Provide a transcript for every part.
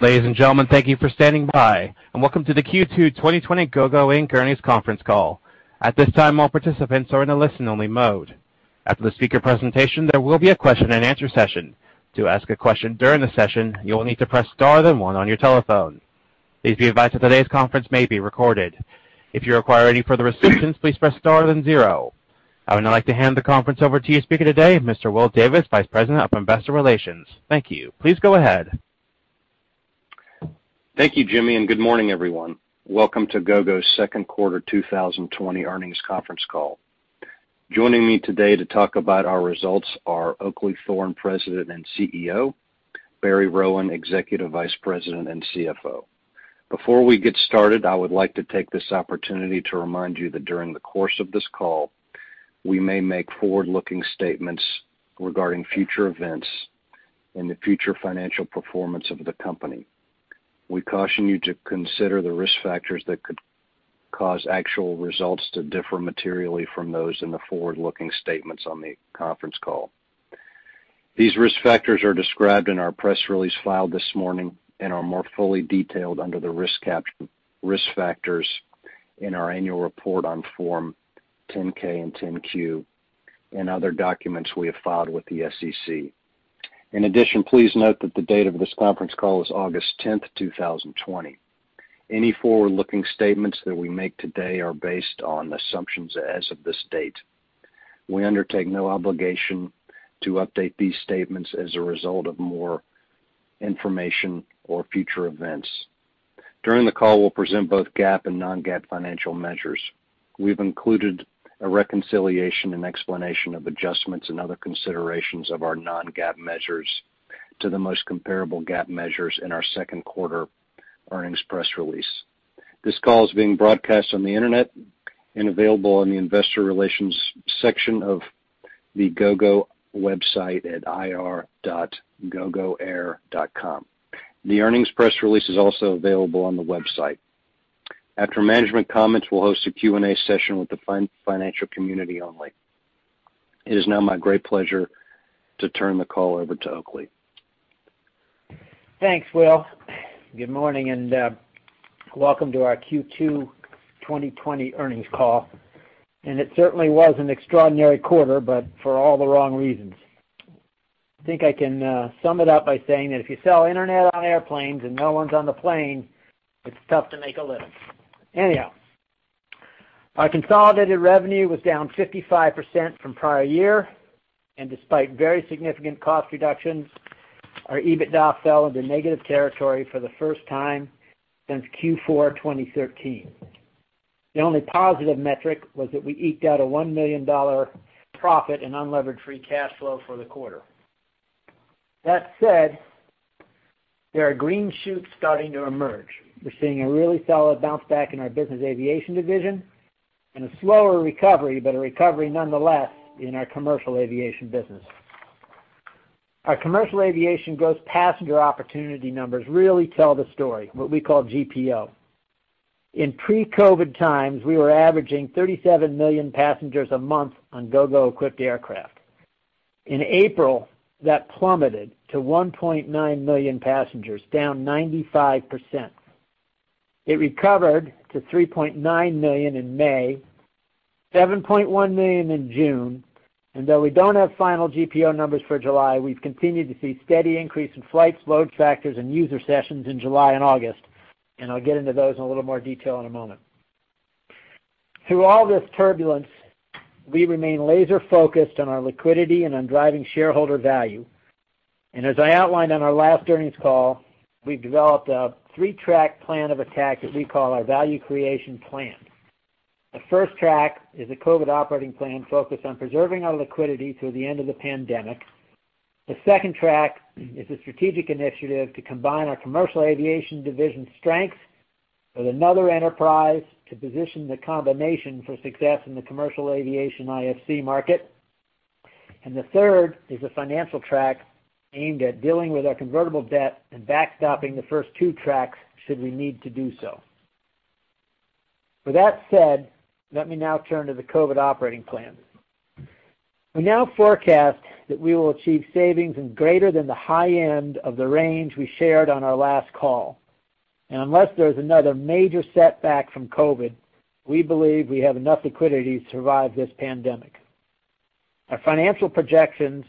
Ladies and gentlemen, thank you for standing by, and welcome to the Q2 2020 Gogo Inc. earnings conference call. At this time, all participants are in a listen-only mode. After the speaker presentation, there will be a question and answer session. To ask a question during the session, you will need to press star one on your telephone. Please be advised that today's conference may be recorded. If you require any further assistance, please press star then zero. I would now like to hand the conference over to your speaker today, Mr. Will Davis, Vice President of Investor Relations. Thank you. Please go ahead. Thank you, Jimmy. Good morning, everyone. Welcome to Gogo's second quarter 2020 earnings conference call. Joining me today to talk about our results are Oakleigh Thorne, President and CEO, Barry Rowan, Executive Vice President and CFO. Before we get started, I would like to take this opportunity to remind you that during the course of this call, we may make forward-looking statements regarding future events and the future financial performance of the company. We caution you to consider the risk factors that could cause actual results to differ materially from those in the forward-looking statements on the conference call. These risk factors are described in our press release filed this morning and are more fully detailed under the risk factors in our annual report on Form 10-K and 10-Q and other documents we have filed with the SEC. In addition, please note that the date of this conference call is August 10th, 2020. Any forward-looking statements that we make today are based on assumptions as of this date. We undertake no obligation to update these statements as a result of more information or future events. During the call, we'll present both GAAP and non-GAAP financial measures. We've included a reconciliation and explanation of adjustments and other considerations of our non-GAAP measures to the most comparable GAAP measures in our second quarter earnings press release. This call is being broadcast on the internet and available on the investor relations section of the Gogo website at ir.gogoair.com. The earnings press release is also available on the website. After management comments, we'll host a Q&A session with the financial community only. It is now my great pleasure to turn the call over to Oakleigh Thorne. Thanks, Will. Good morning and welcome to our Q2 2020 earnings call. It certainly was an extraordinary quarter, but for all the wrong reasons. I think I can sum it up by saying that if you sell internet on airplanes and no one's on the plane, it's tough to make a living. Anyhow, our consolidated revenue was down 55% from prior year, and despite very significant cost reductions, our EBITDA fell into negative territory for the first time since Q4 2013. The only positive metric was that we eked out a $1 million profit in unlevered free cash flow for the quarter. That said, there are green shoots starting to emerge. We're seeing a really solid bounce back in our business aviation division and a slower recovery, but a recovery nonetheless, in our commercial aviation business. Our commercial aviation gross passenger opportunity numbers really tell the story, what we call GPO. In pre-COVID times, we were averaging 37 million passengers a month on Gogo-equipped aircraft. In April, that plummeted to 1.9 million passengers, down 95%. It recovered to 3.9 million in May, 7.1 million in June, and though we don't have final GPO numbers for July, we've continued to see steady increase in flights, load factors, and user sessions in July and August, and I'll get into those in a little more detail in a moment. Through all this turbulence, we remain laser-focused on our liquidity and on driving shareholder value. As I outlined on our last earnings call, we've developed a three-track plan of attack that we call our value creation plan. The first track is a COVID operating plan focused on preserving our liquidity through the end of the pandemic. The second track is a strategic initiative to combine our Commercial Aviation division strength with another enterprise to position the combination for success in the Commercial Aviation IFC market. The third is a financial track aimed at dealing with our convertible debt and backstopping the first two tracks should we need to do so. With that said, let me now turn to the COVID operating plan. We now forecast that we will achieve savings in greater than the high end of the range we shared on our last call. Unless there's another major setback from COVID, we believe we have enough liquidity to survive this pandemic. Our financial projections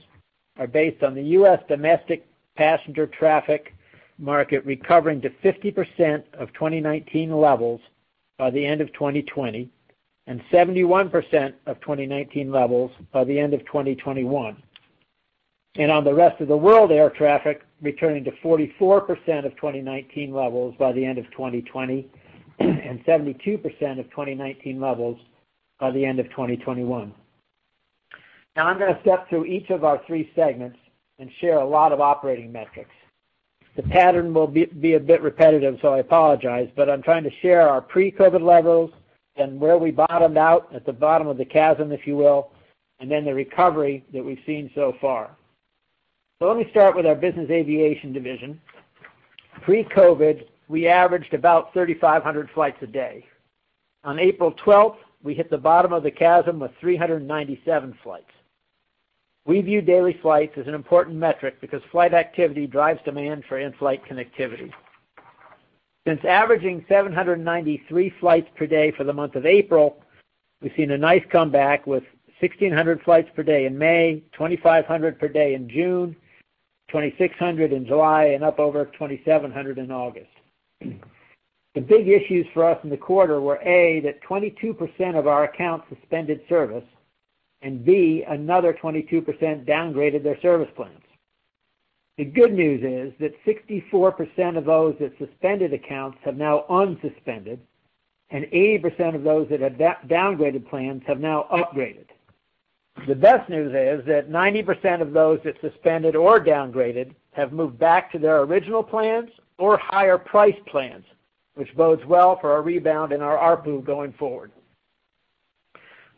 are based on the U.S. domestic passenger traffic market recovering to 50% of 2019 levels by the end of 2020 and 71% of 2019 levels by the end of 2021. On the rest of the world air traffic returning to 44% of 2019 levels by the end of 2020 and 72% of 2019 levels by the end of 2021. I'm going to step through each of our three segments and share a lot of operating metrics. The pattern will be a bit repetitive, I apologize, I'm trying to share our pre-COVID levels and where we bottomed out at the bottom of the chasm, if you will, and then the recovery that we've seen so far. Let me start with our business aviation division. Pre-COVID, we averaged about 3,500 flights a day. On April 12th, we hit the bottom of the chasm with 397 flights. We view daily flights as an important metric because flight activity drives demand for in-flight connectivity. Since averaging 793 flights per day for the month of April, we've seen a nice comeback with 1,600 flights per day in May, 2,500 per day in June, 2,600 in July, and up over 2,700 in August. The big issues for us in the quarter were, A, that 22% of our accounts suspended service, and B, another 22% downgraded their service plans. The good news is that 64% of those that suspended accounts have now unsuspended, and 80% of those that had downgraded plans have now upgraded. The best news is that 90% of those that suspended or downgraded have moved back to their original plans or higher priced plans, which bodes well for our rebound and our ARPU going forward.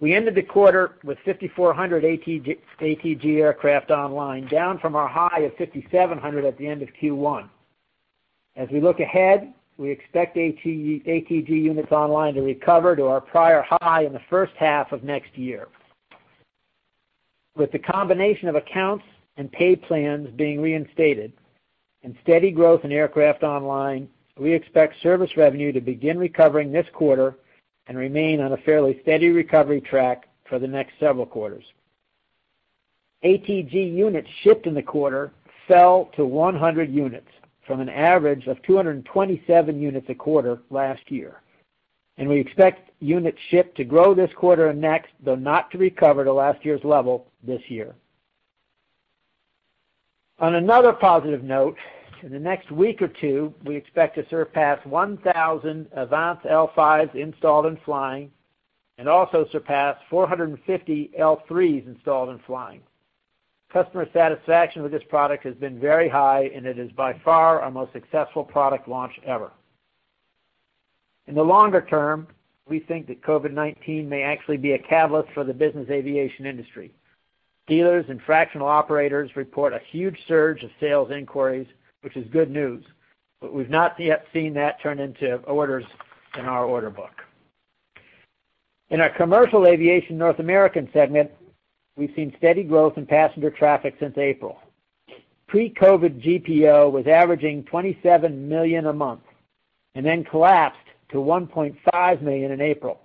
We ended the quarter with 5,400 ATG aircraft online, down from our high of 5,700 at the end of Q1. As we look ahead, we expect ATG units online to recover to our prior high in the first half of next year. With the combination of accounts and pay plans being reinstated and steady growth in aircraft online, we expect service revenue to begin recovering this quarter and remain on a fairly steady recovery track for the next several quarters. ATG units shipped in the quarter fell to 100 units from an average of 227 units a quarter last year, and we expect units shipped to grow this quarter and next, though not to recover to last year's level this year. On another positive note, in the next week or two, we expect to surpass 1,000 AVANCE L5s installed and flying, and also surpass 450 Gogo AVANCE L3s installed and flying. Customer satisfaction with this product has been very high, and it is by far our most successful product launch ever. In the longer term, we think that COVID-19 may actually be a catalyst for the business aviation industry. Dealers and fractional operators report a huge surge of sales inquiries, which is good news. We've not yet seen that turn into orders in our order book. In our Commercial Aviation North American segment, we've seen steady growth in passenger traffic since April. Pre-COVID, GPO was averaging 27 million a month, then collapsed to 1.5 million in April.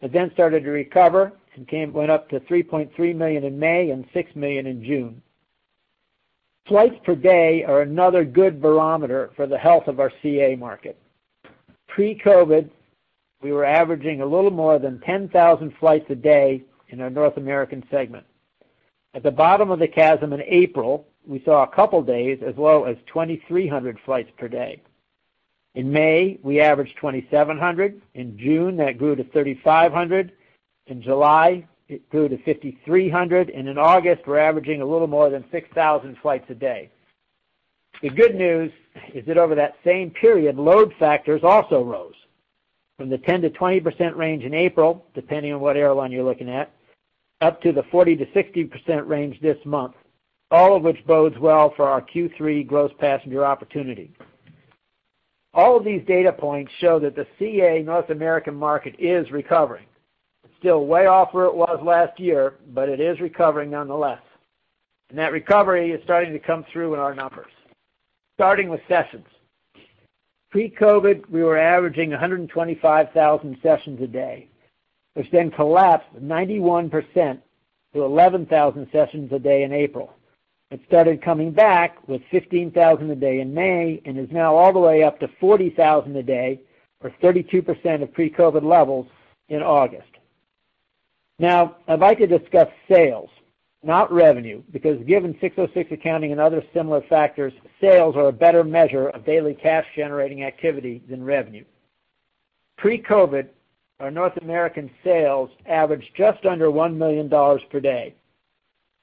It started to recover and went up to 3.3 million in May and 6 million in June. Flights per day are another good barometer for the health of our CA market. Pre-COVID, we were averaging a little more than 10,000 flights a day in our North American segment. At the bottom of the chasm in April, we saw a couple of days as low as 2,300 flights per day. In May, we averaged 2,700. In June, that grew to 3,500. In July, it grew to 5,300, and in August, we're averaging a little more than 6,000 flights a day. The good news is that over that same period, load factors also rose from the 10%-20% range in April, depending on what airline you're looking at, up to the 40%-60% range this month, all of which bodes well for our Q3 gross passenger opportunity. All of these data points show that the CA North American market is recovering. It's still way off where it was last year, but it is recovering nonetheless, and that recovery is starting to come through in our numbers, starting with sessions. Pre-COVID, we were averaging 125,000 sessions a day, which then collapsed 91% to 11,000 sessions a day in April. It started coming back with 15,000 a day in May and is now all the way up to 40,000 a day or 32% of pre-COVID levels in August. Now, I'd like to discuss sales, not revenue, because given ASC 606 accounting and other similar factors, sales are a better measure of daily cash-generating activity than revenue. Pre-COVID, our North American sales averaged just under $1 million per day.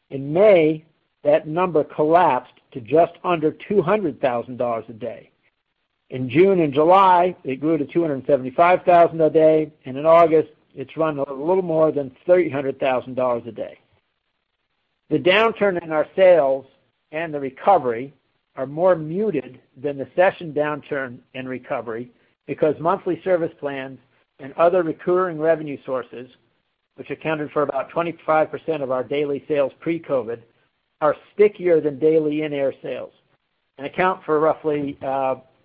In May, that number collapsed to just under $200,000 a day. In June and July, it grew to $275,000 a day, and in August, it's run a little more than $300,000 a day. The downturn in our sales and the recovery are more muted than the session downturn and recovery because monthly service plans and other recurring revenue sources, which accounted for about 25% of our daily sales pre-COVID, are stickier than daily in-air sales and account for roughly,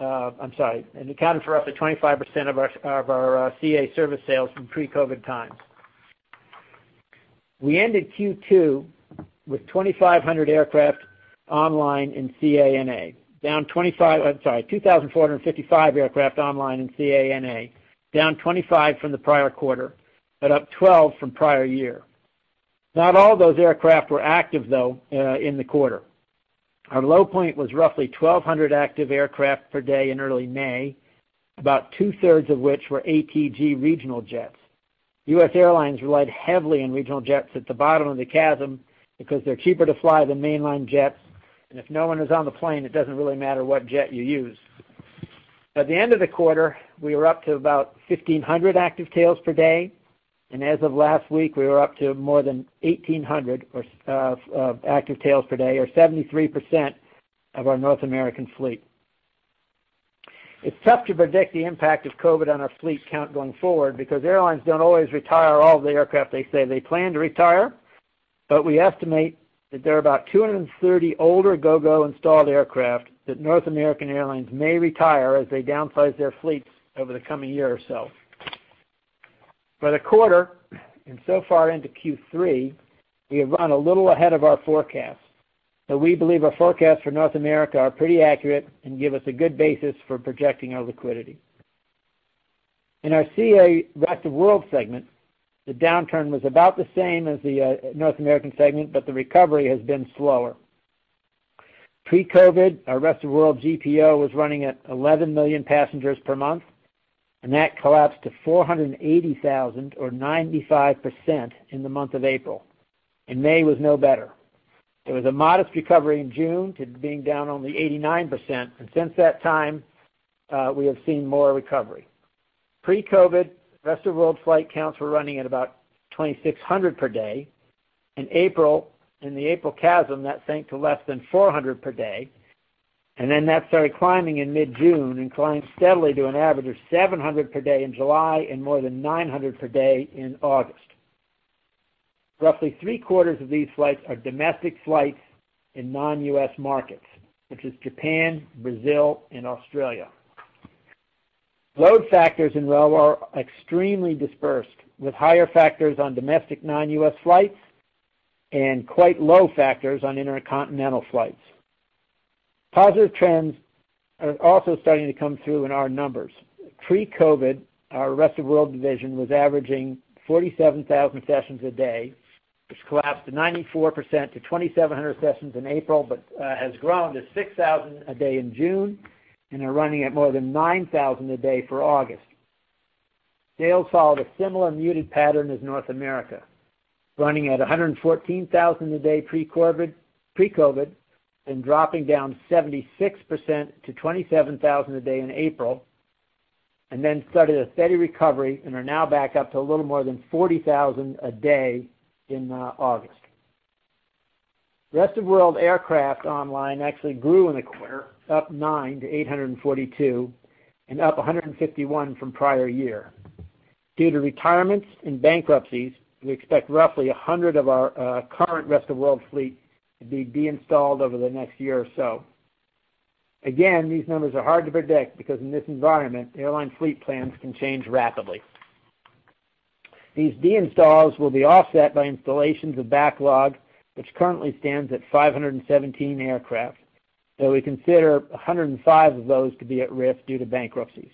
I'm sorry, and accounted for roughly 25% of our CA service sales in pre-COVID times. We ended Q2 with 2,455 aircraft online in CA-NA, down 25 from the prior quarter, but up 12 from prior year. Not all those aircraft were active, though, in the quarter. Our low point was roughly 1,200 active aircraft per day in early May, about two-thirds of which were ATG regional jets. U.S. airlines relied heavily on regional jets at the bottom of the chasm because they're cheaper to fly than mainline jets, and if no one is on the plane, it doesn't really matter what jet you use. At the end of the quarter, we were up to about 1,500 active tails per day, and as of last week, we were up to more than 1,800 active tails per day or 73% of our North American fleet. It's tough to predict the impact of COVID on our fleet count going forward because airlines don't always retire all of the aircraft they say they plan to retire. We estimate that there are about 230 older Gogo-installed aircraft that North American airlines may retire as they downsize their fleets over the coming year or so. For the quarter, and so far into Q3, we have run a little ahead of our forecasts. We believe our forecasts for North America are pretty accurate and give us a good basis for projecting our liquidity. In our CA rest-of-world segment, the downturn was about the same as the North American segment, but the recovery has been slower. Pre-COVID, our rest-of-world GPO was running at 11 million passengers per month, and that collapsed to 480,000 or 95% in the month of April, and May was no better. There was a modest recovery in June to being down only 89%, and since that time, we have seen more recovery. Pre-COVID, rest-of-world flight counts were running at about 2,600 per day. In the April chasm, that sank to less than 400 per day, and then that started climbing in mid-June and climbed steadily to an average of 700 per day in July and more than 900 per day in August. Roughly three-quarters of these flights are domestic flights in non-U.S. markets, such as Japan, Brazil, and Australia. Load factors in ROW are extremely dispersed, with higher factors on domestic non-U.S. flights and quite low factors on intercontinental flights. Positive trends are also starting to come through in our numbers. Pre-COVID, our rest-of-world division was averaging 47,000 sessions a day, which collapsed to 94% to 2,700 sessions in April, but has grown to 6,000 a day in June and are running at more than 9,000 a day for August. Sales followed a similar muted pattern as North America, running at 114,000 a day pre-COVID, then dropping down 76% to 27,000 a day in April, and then started a steady recovery and are now back up to a little more than 40,000 a day in August. Rest-of-world aircraft online actually grew in the quarter, up nine to 842 and up 151 from prior year. Due to retirements and bankruptcies, we expect roughly 100 of our current rest-of-world fleet to be de-installed over the next year or so. These numbers are hard to predict because in this environment, airline fleet plans can change rapidly. These de-installs will be offset by installations of backlog, which currently stands at 517 aircraft, though we consider 105 of those to be at risk due to bankruptcies.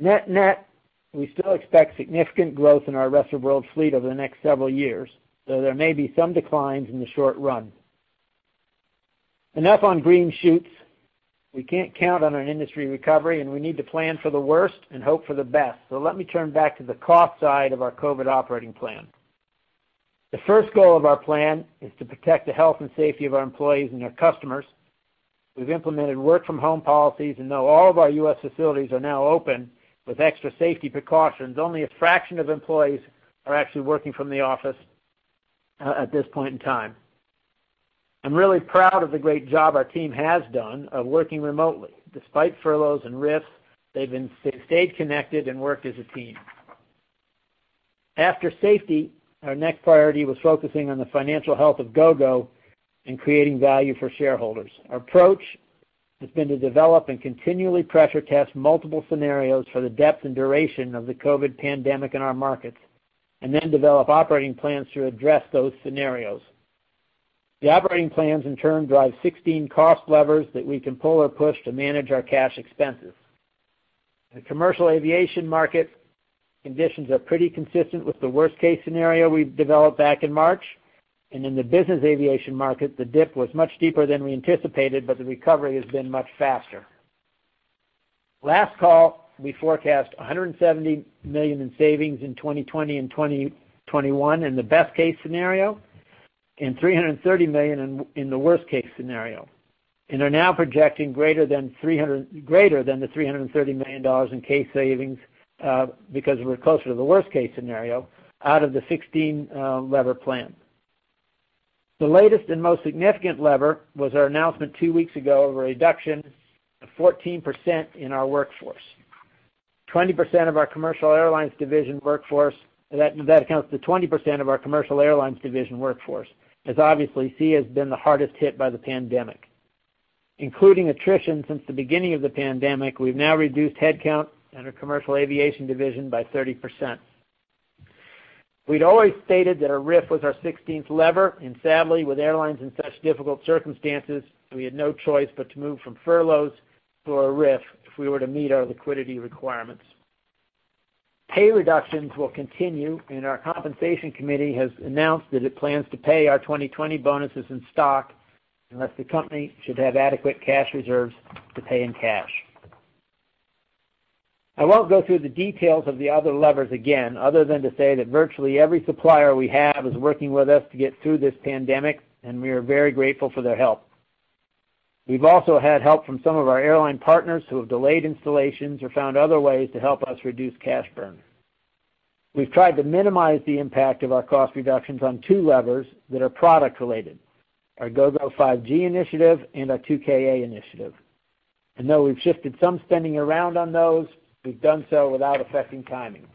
Net net, we still expect significant growth in our rest-of-world fleet over the next several years, though there may be some declines in the short run. Enough on green shoots. We can't count on an industry recovery, we need to plan for the worst and hope for the best. Let me turn back to the cost side of our COVID operating plan. The first goal of our plan is to protect the health and safety of our employees and our customers. We've implemented work-from-home policies, and though all of our U.S. facilities are now open with extra safety precautions, only a fraction of employees are actually working from the office at this point in time. I'm really proud of the great job our team has done of working remotely. Despite furloughs and RIFs, they've stayed connected and worked as a team. After safety, our next priority was focusing on the financial health of Gogo and creating value for shareholders. Our approach has been to develop and continually pressure test multiple scenarios for the depth and duration of the COVID pandemic in our markets, and then develop operating plans to address those scenarios. The operating plans, in turn, drive 16 cost levers that we can pull or push to manage our cash expenses. In the commercial aviation market, conditions are pretty consistent with the worst-case scenario we've developed back in March, and in the business aviation market, the dip was much deeper than we anticipated, but the recovery has been much faster. Last call, we forecast $170 million in savings in 2020 and 2021 in the best case scenario, and $330 million in the worst case scenario, and are now projecting greater than the $330 million in cash savings because we're closer to the worst case scenario out of the 16-lever plan. The latest and most significant lever was our announcement two weeks ago of a reduction of 14% in our workforce. That accounts to 20% of our commercial airlines division workforce, as obviously CA has been the hardest hit by the pandemic. Including attrition since the beginning of the pandemic, we've now reduced headcount in our commercial aviation division by 30%. We'd always stated that a RIF was our 16th lever, and sadly, with airlines in such difficult circumstances, we had no choice but to move from furloughs to a RIF if we were to meet our liquidity requirements. Pay reductions will continue, and our compensation committee has announced that it plans to pay our 2020 bonuses in stock unless the company should have adequate cash reserves to pay in cash. I won't go through the details of the other levers again, other than to say that virtually every supplier we have is working with us to get through this pandemic, and we are very grateful for their help. We've also had help from some of our airline partners who have delayed installations or found other ways to help us reduce cash burn. We've tried to minimize the impact of our cost reductions on two levers that are product related, our Gogo 5G initiative and our 2Ku initiative. Though we've shifted some spending around on those, we've done so without affecting timing.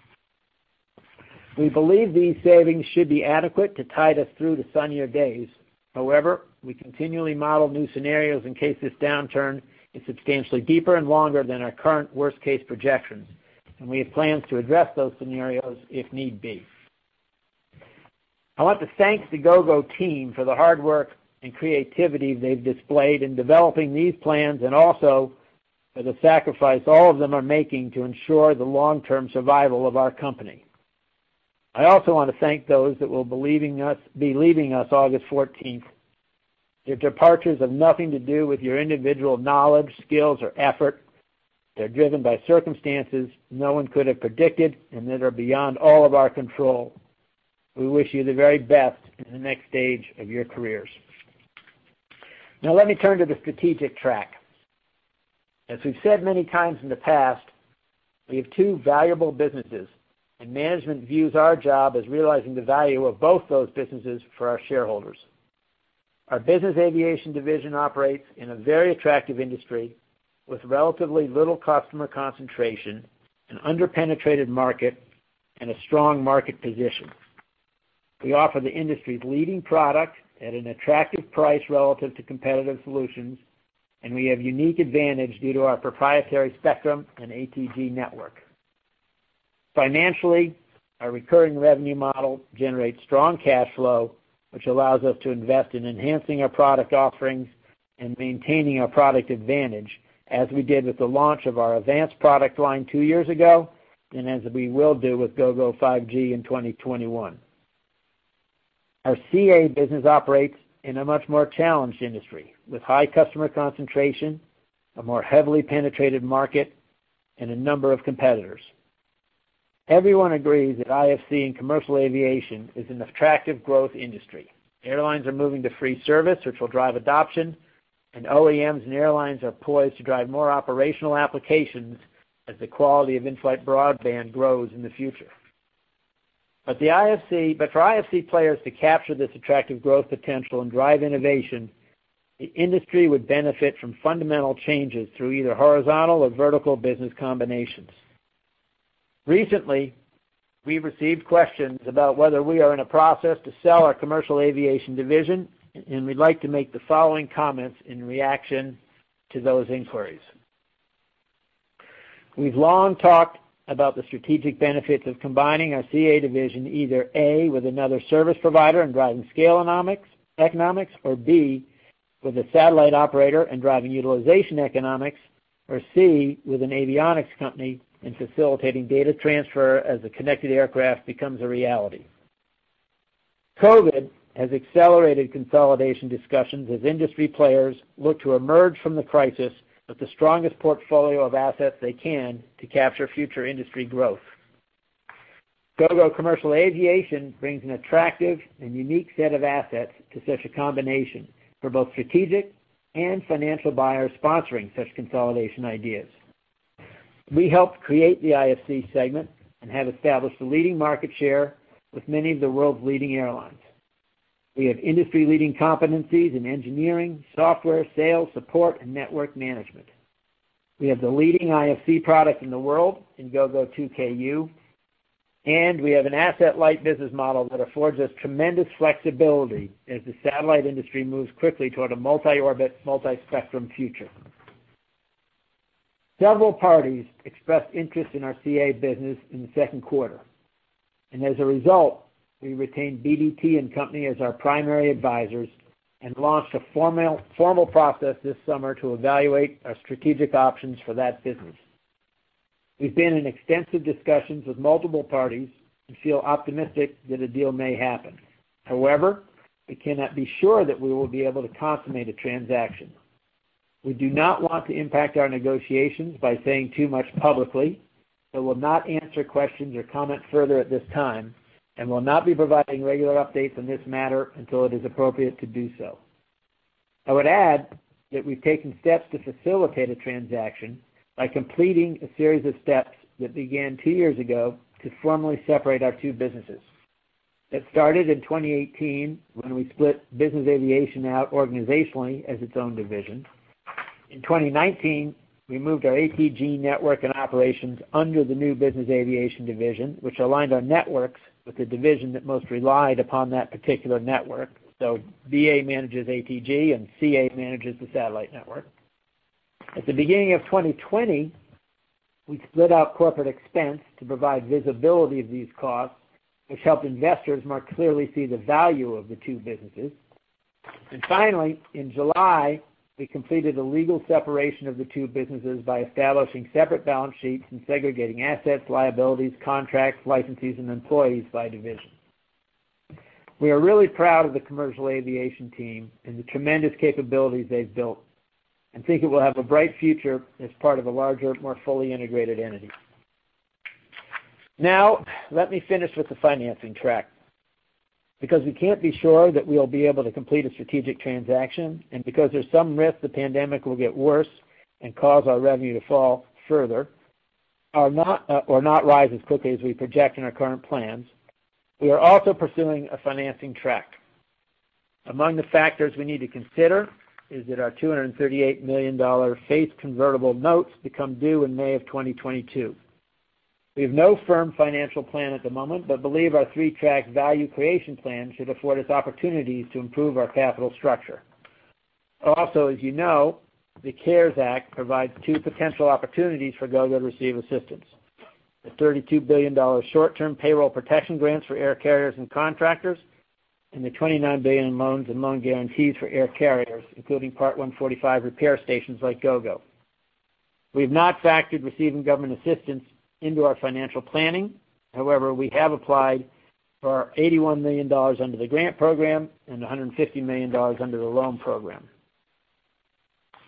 We believe these savings should be adequate to tide us through the sunnier days. However, we continually model new scenarios in case this downturn is substantially deeper and longer than our current worst-case projections, and we have plans to address those scenarios if need be. I want to thank the Gogo team for the hard work and creativity they've displayed in developing these plans and also for the sacrifice all of them are making to ensure the long-term survival of our company. I also want to thank those that will be leaving us August 14th. Your departures have nothing to do with your individual knowledge, skills, or effort. They're driven by circumstances no one could have predicted and that are beyond all of our control. We wish you the very best in the next stage of your careers. Let me turn to the strategic track. As we've said many times in the past, we have two valuable businesses and management views our job as realizing the value of both those businesses for our shareholders. Our business aviation division operates in a very attractive industry with relatively little customer concentration, an under-penetrated market, and a strong market position. We offer the industry's leading product at an attractive price relative to competitive solutions, and we have unique advantage due to our proprietary spectrum and ATG network. Financially, our recurring revenue model generates strong cash flow, which allows us to invest in enhancing our product offerings and maintaining our product advantage, as we did with the launch of our AVANCE product line two years ago, and as we will do with Gogo 5G in 2021. Our CA business operates in a much more challenged industry with high customer concentration, a more heavily penetrated market, and a number of competitors. Everyone agrees that IFC in commercial aviation is an attractive growth industry. Airlines are moving to free service, which will drive adoption, and OEMs and airlines are poised to drive more operational applications as the quality of in-flight broadband grows in the future. For IFC players to capture this attractive growth potential and drive innovation, the industry would benefit from fundamental changes through either horizontal or vertical business combinations. Recently, we've received questions about whether we are in a process to sell our Commercial Aviation division, and we'd like to make the following comments in reaction to those inquiries. We've long talked about the strategic benefits of combining our CA division either, A, with another service provider and driving scale economics or, B, with a satellite operator and driving utilization economics, or C, with an avionics company in facilitating data transfer as a connected aircraft becomes a reality. COVID has accelerated consolidation discussions as industry players look to emerge from the crisis with the strongest portfolio of assets they can to capture future industry growth. Gogo Commercial Aviation brings an attractive and unique set of assets to such a combination for both strategic and financial buyers sponsoring such consolidation ideas. We helped create the IFC segment and have established a leading market share with many of the world's leading airlines. We have industry-leading competencies in engineering, software, sales, support, and network management. We have the leading IFC product in the world in Gogo 2Ku, and we have an asset-light business model that affords us tremendous flexibility as the satellite industry moves quickly toward a multi-orbit, multi-spectrum future. Several parties expressed interest in our CA business in the second quarter, and as a result, we retained BDT & Company as our primary advisors and launched a formal process this summer to evaluate our strategic options for that business. We've been in extensive discussions with multiple parties and feel optimistic that a deal may happen. However, we cannot be sure that we will be able to consummate a transaction. We do not want to impact our negotiations by saying too much publicly, so we'll not answer questions or comment further at this time and will not be providing regular updates on this matter until it is appropriate to do so. I would add that we've taken steps to facilitate a transaction by completing a series of steps that began two years ago to formally separate our two businesses. It started in 2018 when we split Business Aviation out organizationally as its own division. In 2019, we moved our ATG network and operations under the new Business Aviation division, which aligned our networks with the division that most relied upon that particular network. BA manages ATG and CA manages the satellite network. At the beginning of 2020, we split out corporate expense to provide visibility of these costs, which helped investors more clearly see the value of the two businesses. Finally, in July, we completed a legal separation of the two businesses by establishing separate balance sheets and segregating assets, liabilities, contracts, licenses, and employees by division. We are really proud of the commercial aviation team and the tremendous capabilities they've built and think it will have a bright future as part of a larger, more fully integrated entity. Now, let me finish with the financing track. We can't be sure that we'll be able to complete a strategic transaction, and because there's some risk the pandemic will get worse and cause our revenue to fall further or not rise as quickly as we project in our current plans, we are also pursuing a financing track. Among the factors we need to consider is that our $238 million face convertible notes become due in May of 2022. We have no firm financial plan at the moment, but believe our three-track value creation plan should afford us opportunities to improve our capital structure. As you know, the CARES Act provides two potential opportunities for Gogo to receive assistance. The $32 billion short-term payroll protection grants for air carriers and contractors, and the $29 billion in loans and loan guarantees for air carriers, including Part 145 repair stations like Gogo. We have not factored receiving government assistance into our financial planning. We have applied for our $81 million under the grant program and $150 million under the loan program.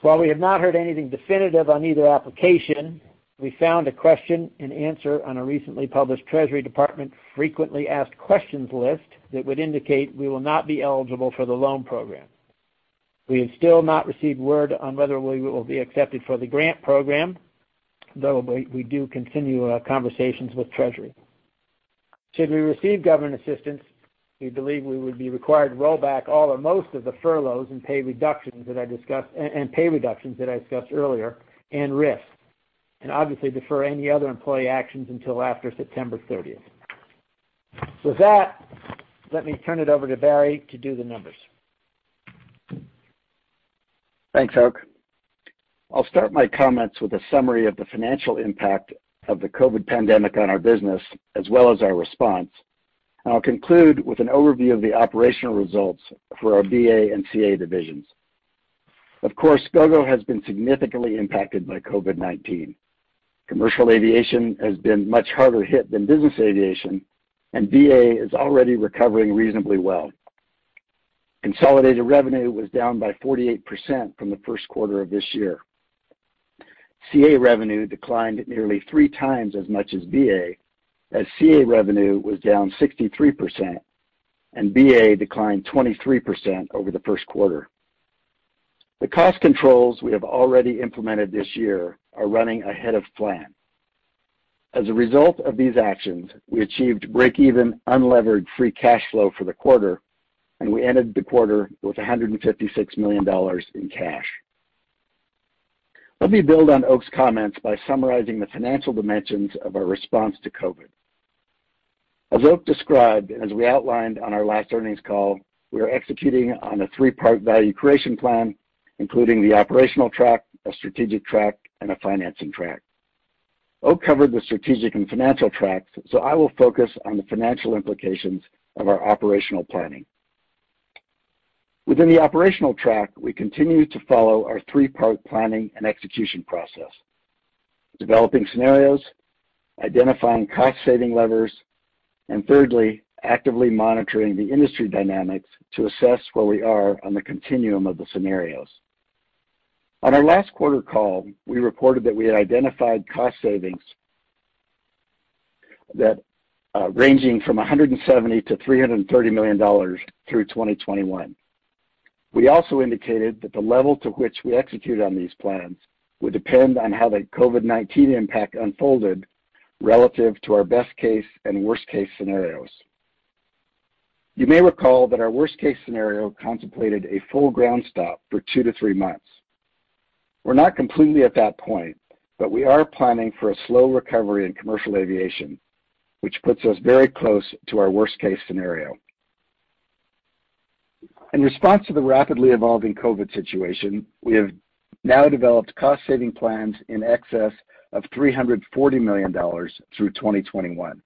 While we have not heard anything definitive on either application, we found a question and answer on a recently published Treasury Department frequently asked questions list that would indicate we will not be eligible for the loan program. We have still not received word on whether we will be accepted for the grant program, though we do continue our conversations with Treasury. Should we receive government assistance, we believe we would be required to roll back all or most of the furloughs and pay reductions that I discussed earlier and RIFs, and obviously defer any other employee actions until after September 30th. With that, let me turn it over to Barry to do the numbers. Thanks, Oakleigh. I'll start my comments with a summary of the financial impact of the COVID pandemic on our business as well as our response. I'll conclude with an overview of the operational results for our BA and CA divisions. Of course, Gogo has been significantly impacted by COVID-19. Commercial aviation has been much harder hit than business aviation, and BA is already recovering reasonably well. Consolidated revenue was down by 48% from the first quarter of this year. CA revenue declined nearly 3x as much as BA, as CA revenue was down 63% and BA declined 23% over the first quarter. The cost controls we have already implemented this year are running ahead of plan, and as a result of these actions, we achieved break even unlevered free cash flow for the quarter, and we ended the quarter with $156 million in cash. Let me build on Oakleigh's comments by summarizing the financial dimensions of our response to COVID. As Oakleigh described, and as we outlined on our last earnings call, we are executing on a three-part value creation plan, including the operational track, a strategic track, and a financing track. Oakleigh covered the strategic and financial tracks, so I will focus on the financial implications of our operational planning. Within the operational track, we continue to follow our three-part planning and execution process. Developing scenarios, identifying cost-saving levers, and thirdly, actively monitoring the industry dynamics to assess where we are on the continuum of the scenarios. On our last quarter call, we reported that we had identified cost savings ranging from $170 million-$330 million through 2021. We also indicated that the level to which we execute on these plans would depend on how the COVID-19 impact unfolded relative to our best case and worst case scenarios. You may recall that our worst case scenario contemplated a full ground stop for two to three months. We're not completely at that point, but we are planning for a slow recovery in commercial aviation, which puts us very close to our worst case scenario. In response to the rapidly evolving COVID situation, we have now developed cost-saving plans in excess of $340 million through 2021.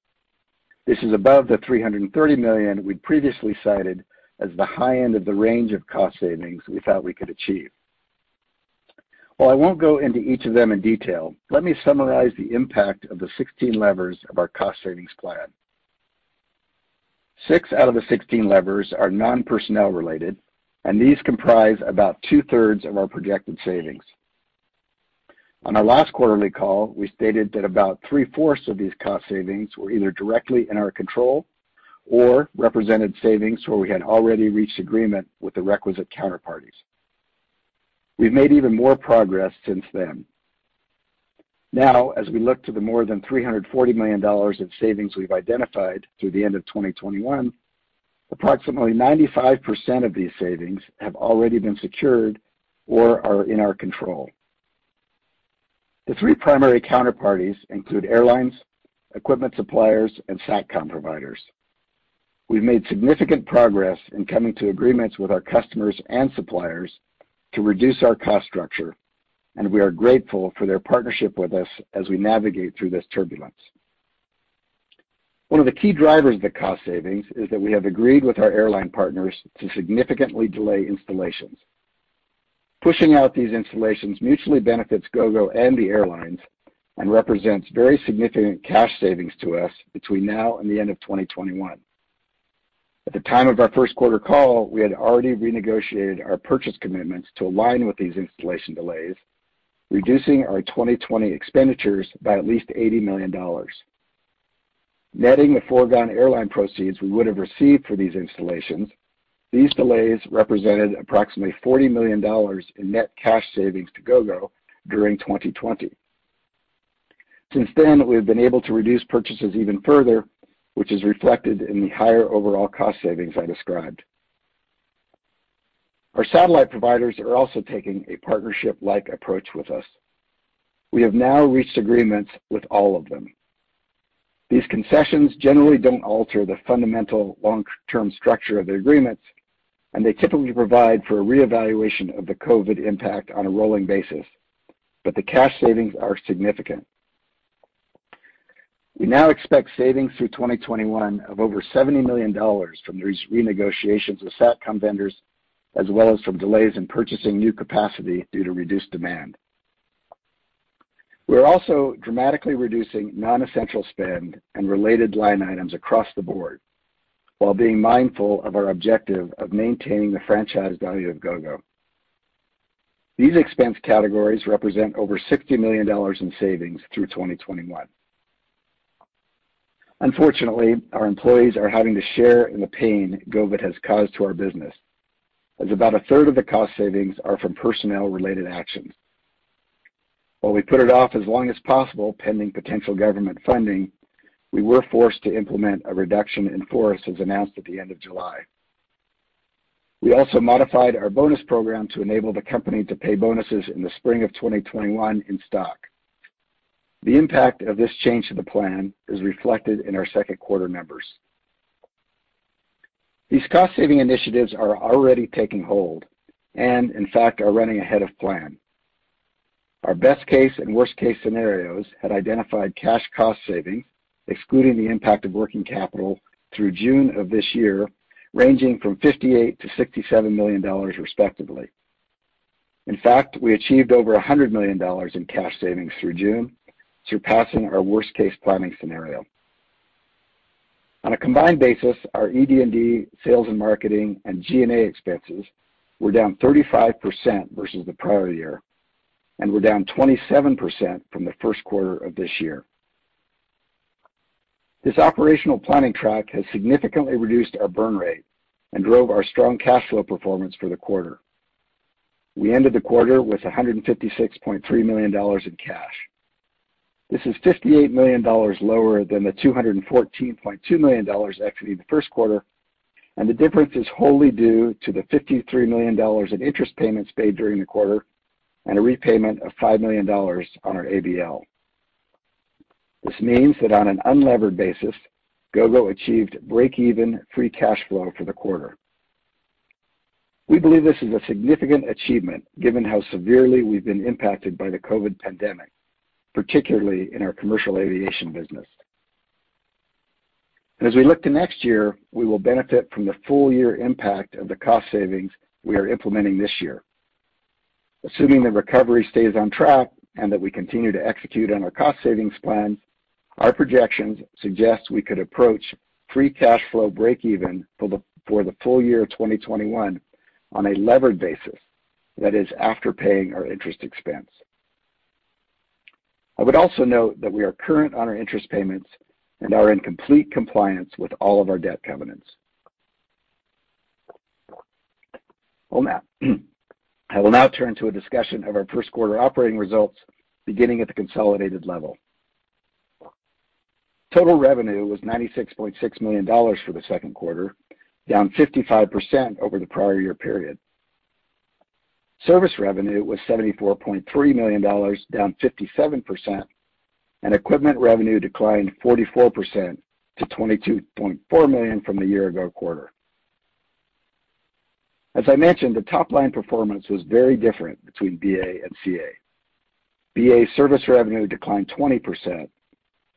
This is above the $330 million we previously cited as the high end of the range of cost savings we thought we could achieve. While I won't go into each of them in detail, let me summarize the impact of the 16 levers of our cost savings plan. Six out of the 16 levers are non-personnel related. These comprise about two-thirds of our projected savings. On our last quarterly call, we stated that about three-fourths of these cost savings were either directly in our control or represented savings where we had already reached agreement with the requisite counterparties. We've made even more progress since then. As we look to the more than $340 million of savings we've identified through the end of 2021, approximately 95% of these savings have already been secured or are in our control. The three primary counterparties include airlines, equipment suppliers, and SATCOM providers. We've made significant progress in coming to agreements with our customers and suppliers to reduce our cost structure. We are grateful for their partnership with us as we navigate through this turbulence. One of the key drivers of the cost savings is that we have agreed with our airline partners to significantly delay installations. Pushing out these installations mutually benefits Gogo and the airlines and represents very significant cash savings to us between now and the end of 2021. At the time of our first quarter call, we had already renegotiated our purchase commitments to align with these installation delays, reducing our 2020 expenditures by at least $80 million. Netting the foregone airline proceeds we would have received for these installations, these delays represented approximately $40 million in net cash savings to Gogo during 2020. Since then, we have been able to reduce purchases even further, which is reflected in the higher overall cost savings I described. Our satellite providers are also taking a partnership-like approach with us. We have now reached agreements with all of them. These concessions generally do not alter the fundamental long-term structure of the agreements, and they typically provide for a reevaluation of the COVID impact on a rolling basis. The cash savings are significant. We now expect savings through 2021 of over $70 million from these renegotiations with SATCOM vendors, as well as from delays in purchasing new capacity due to reduced demand. We are also dramatically reducing non-essential spend and related line items across the board, while being mindful of our objective of maintaining the franchise value of Gogo. These expense categories represent over $60 million in savings through 2021. Unfortunately, our employees are having to share in the pain COVID has caused to our business, as about a third of the cost savings are from personnel-related actions. While we put it off as long as possible, pending potential government funding, we were forced to implement a reduction in force, as announced at the end of July. We also modified our bonus program to enable the company to pay bonuses in the spring of 2021 in stock. The impact of this change to the plan is reflected in our second quarter numbers. These cost-saving initiatives are already taking hold and, in fact, are running ahead of plan. Our best case and worst case scenarios had identified cash cost savings, excluding the impact of working capital through June of this year, ranging from $58 million-$67 million respectively. In fact, we achieved over $100 million in cash savings through June, surpassing our worst case planning scenario. On a combined basis, our ED&D, sales and marketing, and G&A expenses were down 35% versus the prior year and were down 27% from the first quarter of this year. This operational planning track has significantly reduced our burn rate and drove our strong cash flow performance for the quarter. We ended the quarter with $156.3 million in cash. This is $58 million lower than the $214.2 million exiting the first quarter. The difference is wholly due to the $53 million in interest payments made during the quarter and a repayment of $5 million on our ABL. This means that on an unlevered basis, Gogo achieved break-even free cash flow for the quarter. We believe this is a significant achievement given how severely we've been impacted by the COVID pandemic, particularly in our commercial aviation business. As we look to next year, we will benefit from the full year impact of the cost savings we are implementing this year. Assuming the recovery stays on track and that we continue to execute on our cost savings plans, our projections suggest we could approach free cash flow break even for the full year 2021 on a levered basis. That is, after paying our interest expense. I would also note that we are current on our interest payments and are in complete compliance with all of our debt covenants. I will now turn to a discussion of our first quarter operating results, beginning at the consolidated level. Total revenue was $96.6 million for the second quarter, down 55% over the prior-year period. Service revenue was $74.3 million, down 57%, and equipment revenue declined 44% to $22.4 million from the year-ago quarter. As I mentioned, the top-line performance was very different between BA and CA. BA service revenue declined 20%,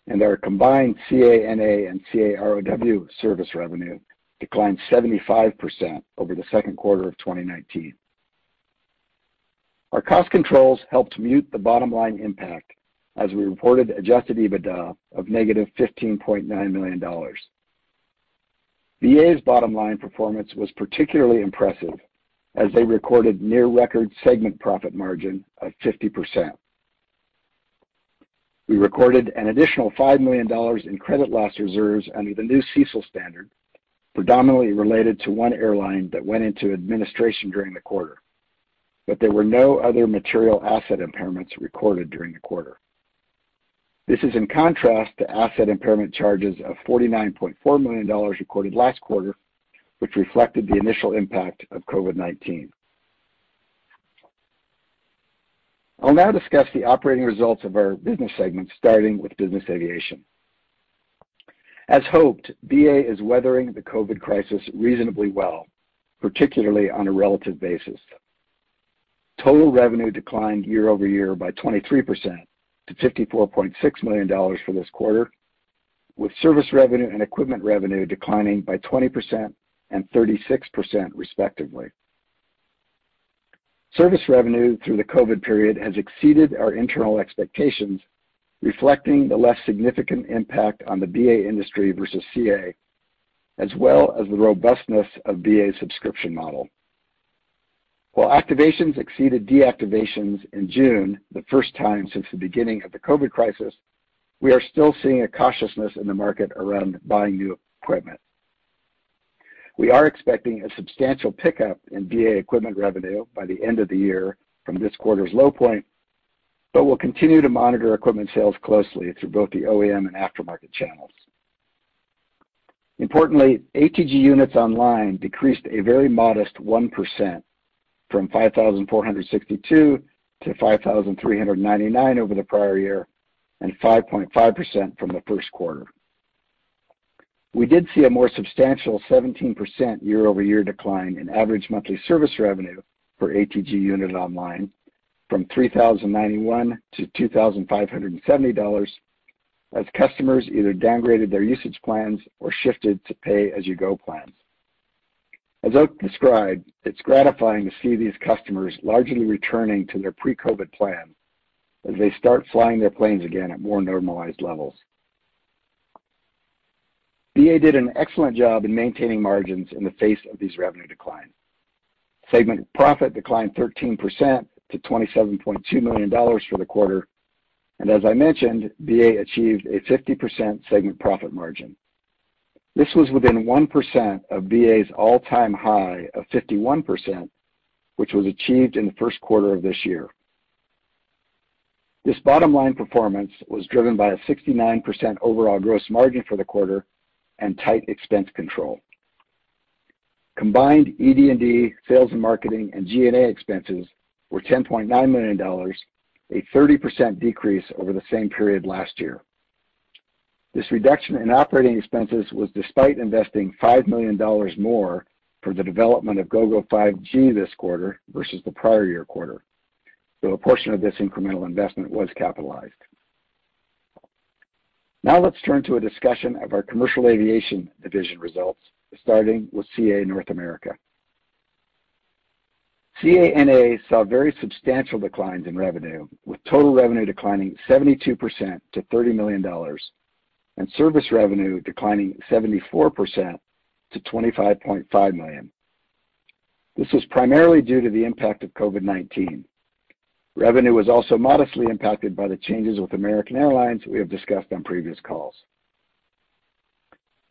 and our combined CA-NA and CA-ROW service revenue declined 75% over the second quarter of 2019. Our cost controls helped mute the bottom-line impact as we reported adjusted EBITDA of -$15.9 million. BA's bottom-line performance was particularly impressive as they recorded near-record segment profit margin of 50%. We recorded an additional $5 million in credit loss reserves under the new CECL standard, predominantly related to one airline that went into administration during the quarter. There were no other material asset impairments recorded during the quarter. This is in contrast to asset impairment charges of $49.4 million recorded last quarter, which reflected the initial impact of COVID-19. I'll now discuss the operating results of our business segments, starting with Business Aviation. As hoped, BA is weathering the COVID crisis reasonably well, particularly on a relative basis. Total revenue declined year-over-year by 23% to $54.6 million for this quarter, with service revenue and equipment revenue declining by 20% and 36% respectively. Service revenue through the COVID period has exceeded our internal expectations, reflecting the less significant impact on the BA industry versus CA as well as the robustness of BA's subscription model. While activations exceeded deactivations in June, the first time since the beginning of the COVID crisis, we are still seeing a cautiousness in the market around buying new equipment. We are expecting a substantial pickup in BA equipment revenue by the end of the year from this quarter's low point, but we'll continue to monitor equipment sales closely through both the OEM and aftermarket channels. Importantly, ATG units online decreased a very modest 1% from 5,462-5,399 over the prior year and 5.5% from the first quarter. We did see a more substantial 17% year-over-year decline in average monthly service revenue for ATG unit online from $3,091 -$2,570, as customers either downgraded their usage plans or shifted to pay-as-you-go plans. As Oakleigh described, it's gratifying to see these customers largely returning to their pre-COVID plan as they start flying their planes again at more normalized levels. BA did an excellent job in maintaining margins in the face of these revenue declines. Segment profit declined 13% to $27.2 million for the quarter, and as I mentioned, BA achieved a 50% segment profit margin. This was within 1% of BA's all-time high of 51%, which was achieved in the first quarter of this year. This bottom-line performance was driven by a 69% overall gross margin for the quarter and tight expense control. Combined, ED&D, sales and marketing, and G&A expenses were $10.9 million, a 30% decrease over the same period last year. This reduction in operating expenses was despite investing $5 million more for the development of Gogo 5G this quarter versus the prior year quarter, though a portion of this incremental investment was capitalized. Let's turn to a discussion of our commercial aviation division results, starting with CA-NA. CA-NA saw very substantial declines in revenue, with total revenue declining 72% to $30 million and service revenue declining 74% to $25.5 million. This was primarily due to the impact of COVID-19. Revenue was also modestly impacted by the changes with American Airlines we have discussed on previous calls.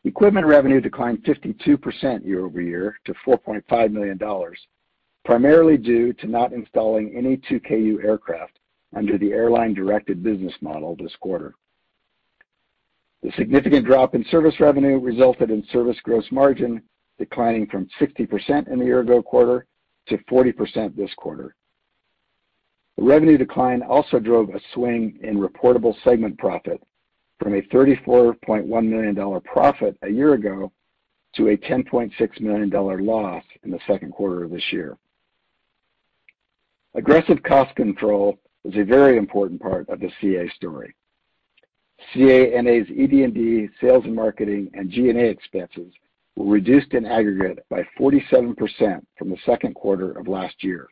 Equipment revenue declined 52% year-over-year to $4.5 million, primarily due to not installing any 2Ku aircraft under the airline-directed business model this quarter. The significant drop in service revenue resulted in service gross margin declining from 60% in the year-ago quarter to 40% this quarter. The revenue decline also drove a swing in reportable segment profit from a $34.1 million profit a year ago to a $10.6 million loss in the second quarter of this year. Aggressive cost control is a very important part of the CA story. CA-NA's ED&D sales and marketing and G&A expenses were reduced in aggregate by 47% from the second quarter of last year.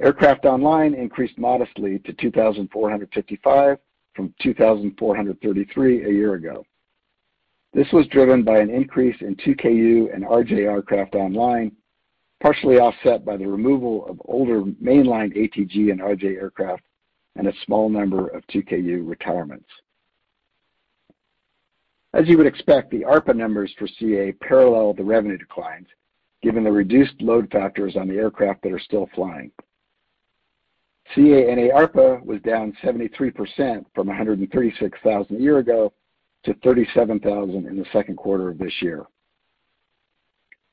Aircraft online increased modestly to 2,455 from 2,433 a year ago. This was driven by an increase in 2Ku and RJ aircraft online, partially offset by the removal of older mainline ATG and RJ aircraft and a small number of 2Ku retirements. As you would expect, the ARPA numbers for CA parallel the revenue declines, given the reduced load factors on the aircraft that are still flying. CA-NA ARPA was down 73% from $136,000 a year ago to $37,000 in the second quarter of this year.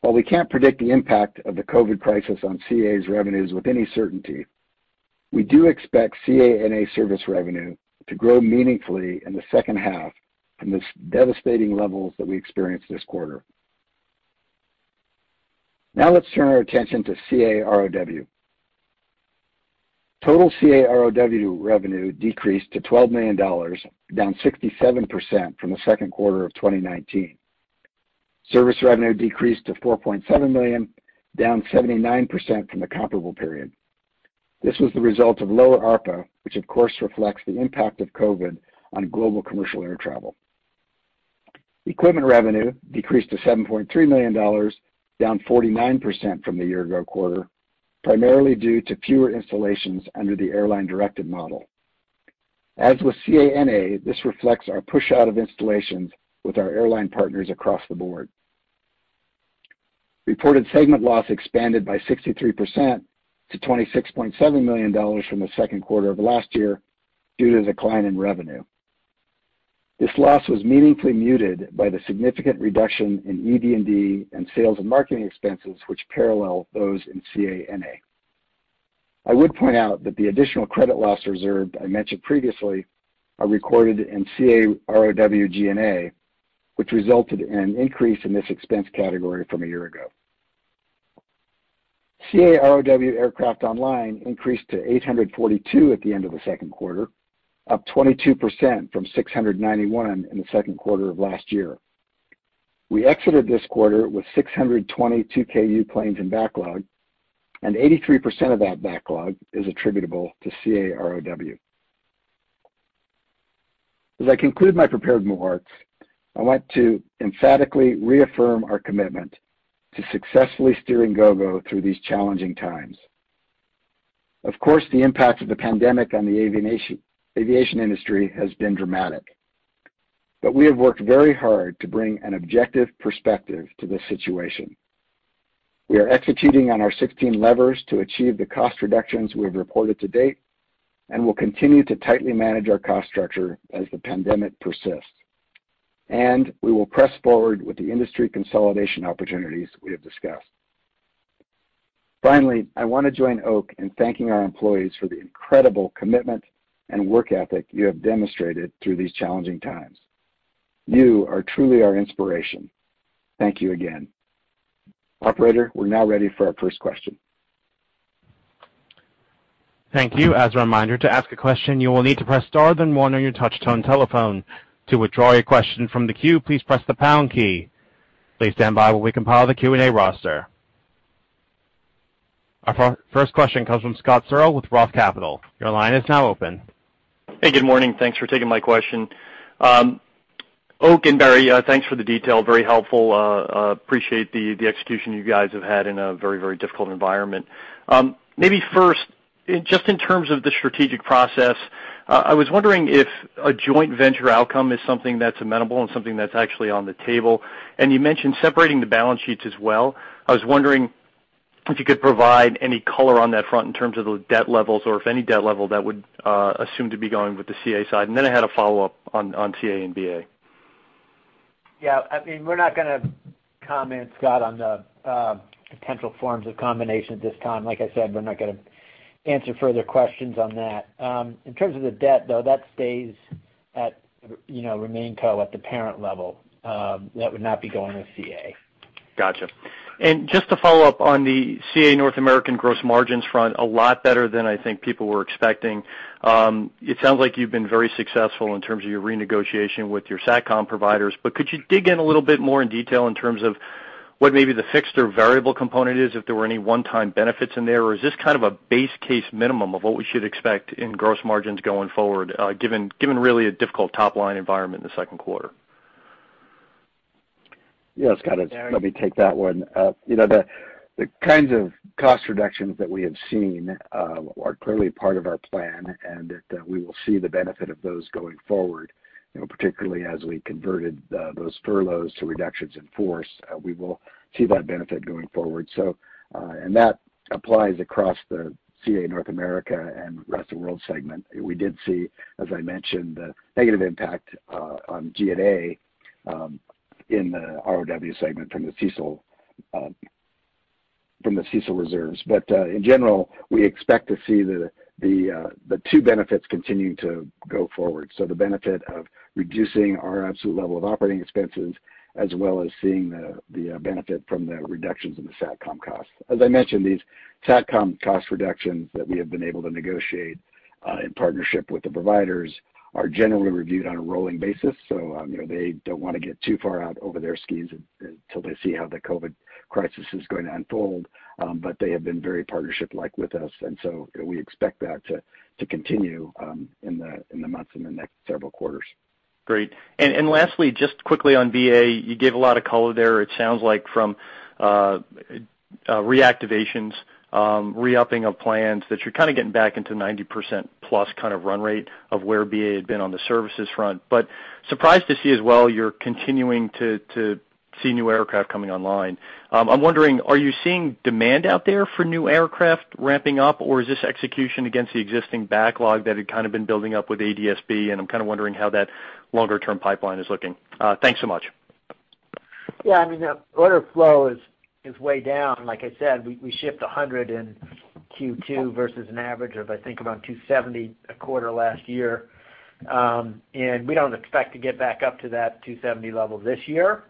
While we can't predict the impact of the COVID crisis on CA's revenues with any certainty, we do expect CA-NA service revenue to grow meaningfully in the second half from the devastating levels that we experienced this quarter. Let's turn our attention to CA-ROW. Total CA-ROW revenue decreased to $12 million, down 67% from the second quarter of 2019. Service revenue decreased to $4.7 million, down 79% from the comparable period. This was the result of lower ARPA, which of course reflects the impact of COVID on global commercial air travel. Equipment revenue decreased to $7.3 million, down 49% from the year-ago quarter, primarily due to fewer installations under the airline-directed model. As with CA-NA, this reflects our push out of installations with our airline partners across the board. Reported segment loss expanded by 63% to $26.7 million from the second quarter of last year due to the decline in revenue. This loss was meaningfully muted by the significant reduction in ED&D and sales and marketing expenses which parallel those in CA-NA. I would point out that the additional credit loss reserves I mentioned previously are recorded in CA-ROW G&A, which resulted in an increase in this expense category from a year ago. CA-ROW aircraft online increased to 842 at the end of the second quarter, up 22% from 691 in the second quarter of last year. We exited this quarter with 620 2Ku-band planes in backlog. Eighty-three percent of that backlog is attributable to CA-ROW. As I conclude my prepared remarks, I want to emphatically reaffirm our commitment to successfully steering Gogo through these challenging times. Of course, the impact of the pandemic on the aviation industry has been dramatic. We have worked very hard to bring an objective perspective to this situation. We are executing on our 16 levers to achieve the cost reductions we have reported to date. We'll continue to tightly manage our cost structure as the pandemic persists. We will press forward with the industry consolidation opportunities we have discussed. Finally, I want to join Oakleigh in thanking our employees for the incredible commitment and work ethic you have demonstrated through these challenging times. You are truly our inspiration. Thank you again. Operator, we're now ready for our first question. Thank you. As a reminder, to ask a question, you will need to press star, then one on your touch-tone telephone. To withdraw your question from the queue, please press the pound key. Please stand by while we compile the Q&A roster. Our first question comes from Scott Searle with Roth Capital. Your line is now open. Hey, good morning. Thanks for taking my question. Oakleigh and Barry, thanks for the detail, very helpful. Appreciate the execution you guys have had in a very, very difficult environment. Maybe first, just in terms of the strategic process, I was wondering if a joint venture outcome is something that's amenable and something that's actually on the table. You mentioned separating the balance sheets as well. I was wondering if you could provide any color on that front in terms of the debt levels or if any debt level that would assume to be going with the CA side. I had a follow-up on CA and BA. Yeah. We're not going to comment, Scott, on the potential forms of combination at this time. Like I said, we're not going to answer further questions on that. In terms of the debt, though, that stays at RemainCo at the parent level. That would not be going with CA. Got you. Just to follow up on the CA-NA gross margins front, a lot better than I think people were expecting. It sounds like you've been very successful in terms of your renegotiation with your SATCOM providers, could you dig in a little bit more in detail in terms of what maybe the fixed or variable component is, if there were any one-time benefits in there, or is this kind of a base case minimum of what we should expect in gross margins going forward given really a difficult top-line environment in the second quarter? Yeah, Scott, let me take that one. The kinds of cost reductions that we have seen are clearly part of our plan, and that we will see the benefit of those going forward, particularly as we converted those furloughs to reductions in force. We will see that benefit going forward. That applies across the CA North America and Rest of World segment. We did see, as I mentioned, a negative impact on G&A in the ROW segment from the CECL reserves. In general, we expect to see the two benefits continuing to go forward. The benefit of reducing our absolute level of operating expenses, as well as seeing the benefit from the reductions in the SATCOM costs. As I mentioned, these SATCOM cost reductions that we have been able to negotiate in partnership with the providers are generally reviewed on a rolling basis. They don't want to get too far out over their skis until they see how the COVID crisis is going to unfold, but they have been very partnership-like with us, and so we expect that to continue in the months, in the next several quarters. Great. Lastly, just quickly on BA, you gave a lot of color there. It sounds like from reactivations, re-upping of plans, that you're kind of getting back into 90%+ kind of run rate of where BA had been on the services front. Surprised to see as well you're continuing to see new aircraft coming online. I'm wondering, are you seeing demand out there for new aircraft ramping up, or is this execution against the existing backlog that had kind of been building up with ADS-B, and I'm kind of wondering how that longer-term pipeline is looking. Thanks so much. Yeah, order flow is way down. Like I said, we shipped 100 in Q2 versus an average of, I think, about 270 a quarter last year. We don't expect to get back up to that 270 level this year.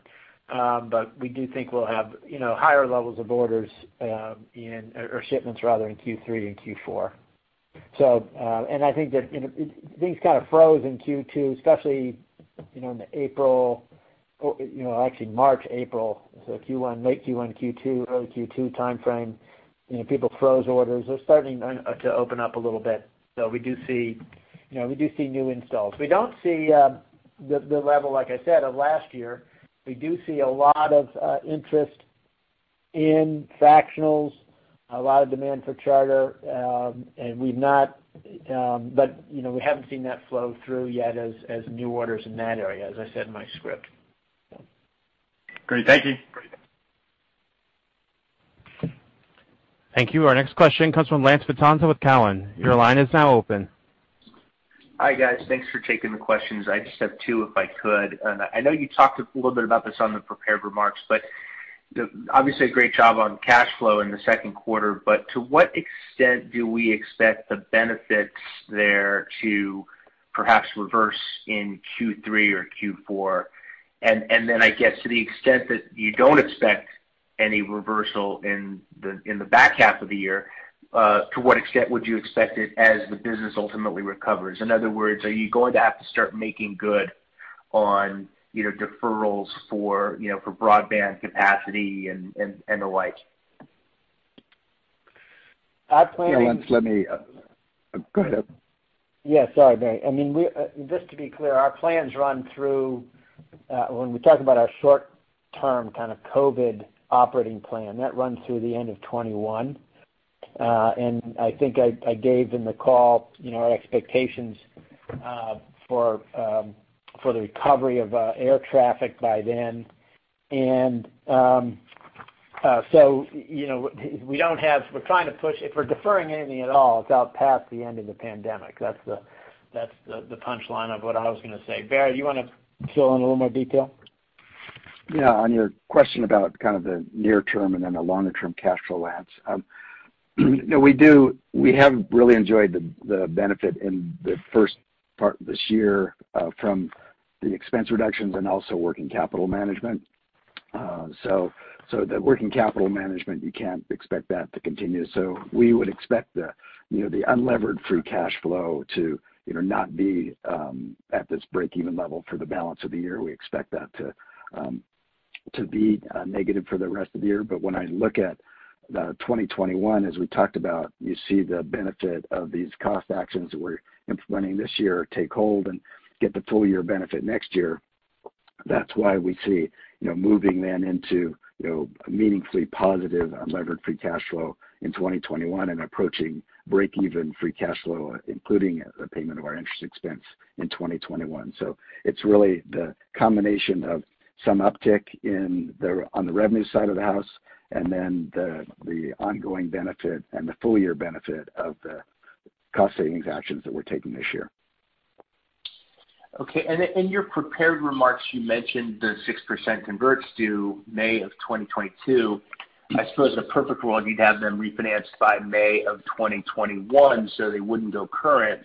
We do think we'll have higher levels of orders or shipments rather in Q3 and Q4. I think that things kind of froze in Q2, especially in April, actually March, April. Late Q1, Q2, early Q2 timeframe, people froze orders. They're starting to open up a little bit. We do see new installs. We don't see the level, like I said, of last year. We do see a lot of interest in fractionals, a lot of demand for charter. We haven't seen that flow through yet as new orders in that area, as I said in my script. Great. Thank you. Thank you. Our next question comes from Lance Vitanza with Cowen. Your line is now open. Hi, guys. Thanks for taking the questions. I just have two, if I could. I know you talked a little bit about this on the prepared remarks, but obviously a great job on cash flow in the second quarter. To what extent do we expect the benefits there to perhaps reverse in Q3 or Q4? I guess to the extent that you don't expect any reversal in the back half of the year, to what extent would you expect it as the business ultimately recovers? In other words, are you going to have to start making good on either deferrals for broadband capacity and the like? Our plan- Yeah, Lance, let me go ahead. Sorry, Barry. Just to be clear, our plans run through, when we talk about our short-term kind of COVID operating plan, that runs through the end of 2021. I think I gave in the call our expectations for the recovery of air traffic by then. We're trying to push, if we're deferring anything at all, it's out past the end of the pandemic. That's the punchline of what I was going to say. Barry, you want to fill in a little more detail? On your question about kind of the near term and then the longer term cash flow, Lance. We have really enjoyed the benefit in the first part of this year from the expense reductions and also working capital management. The working capital management, you can't expect that to continue. We would expect the unlevered free cash flow to not be at this break-even level for the balance of the year. We expect that to be negative for the rest of the year. When I look at 2021, as we talked about, you see the benefit of these cost actions that we're implementing this year take hold and get the full year benefit next year. That's why we see moving then into meaningfully positive unlevered free cash flow in 2021 and approaching break-even free cash flow, including the payment of our interest expense in 2021. It's really the combination of some uptick on the revenue side of the house and then the ongoing benefit and the full-year benefit of the cost savings actions that we're taking this year. Okay. In your prepared remarks, you mentioned the 6% converts due May 2022. I suppose in a perfect world, you'd have them refinanced by May 2021, so they wouldn't go current.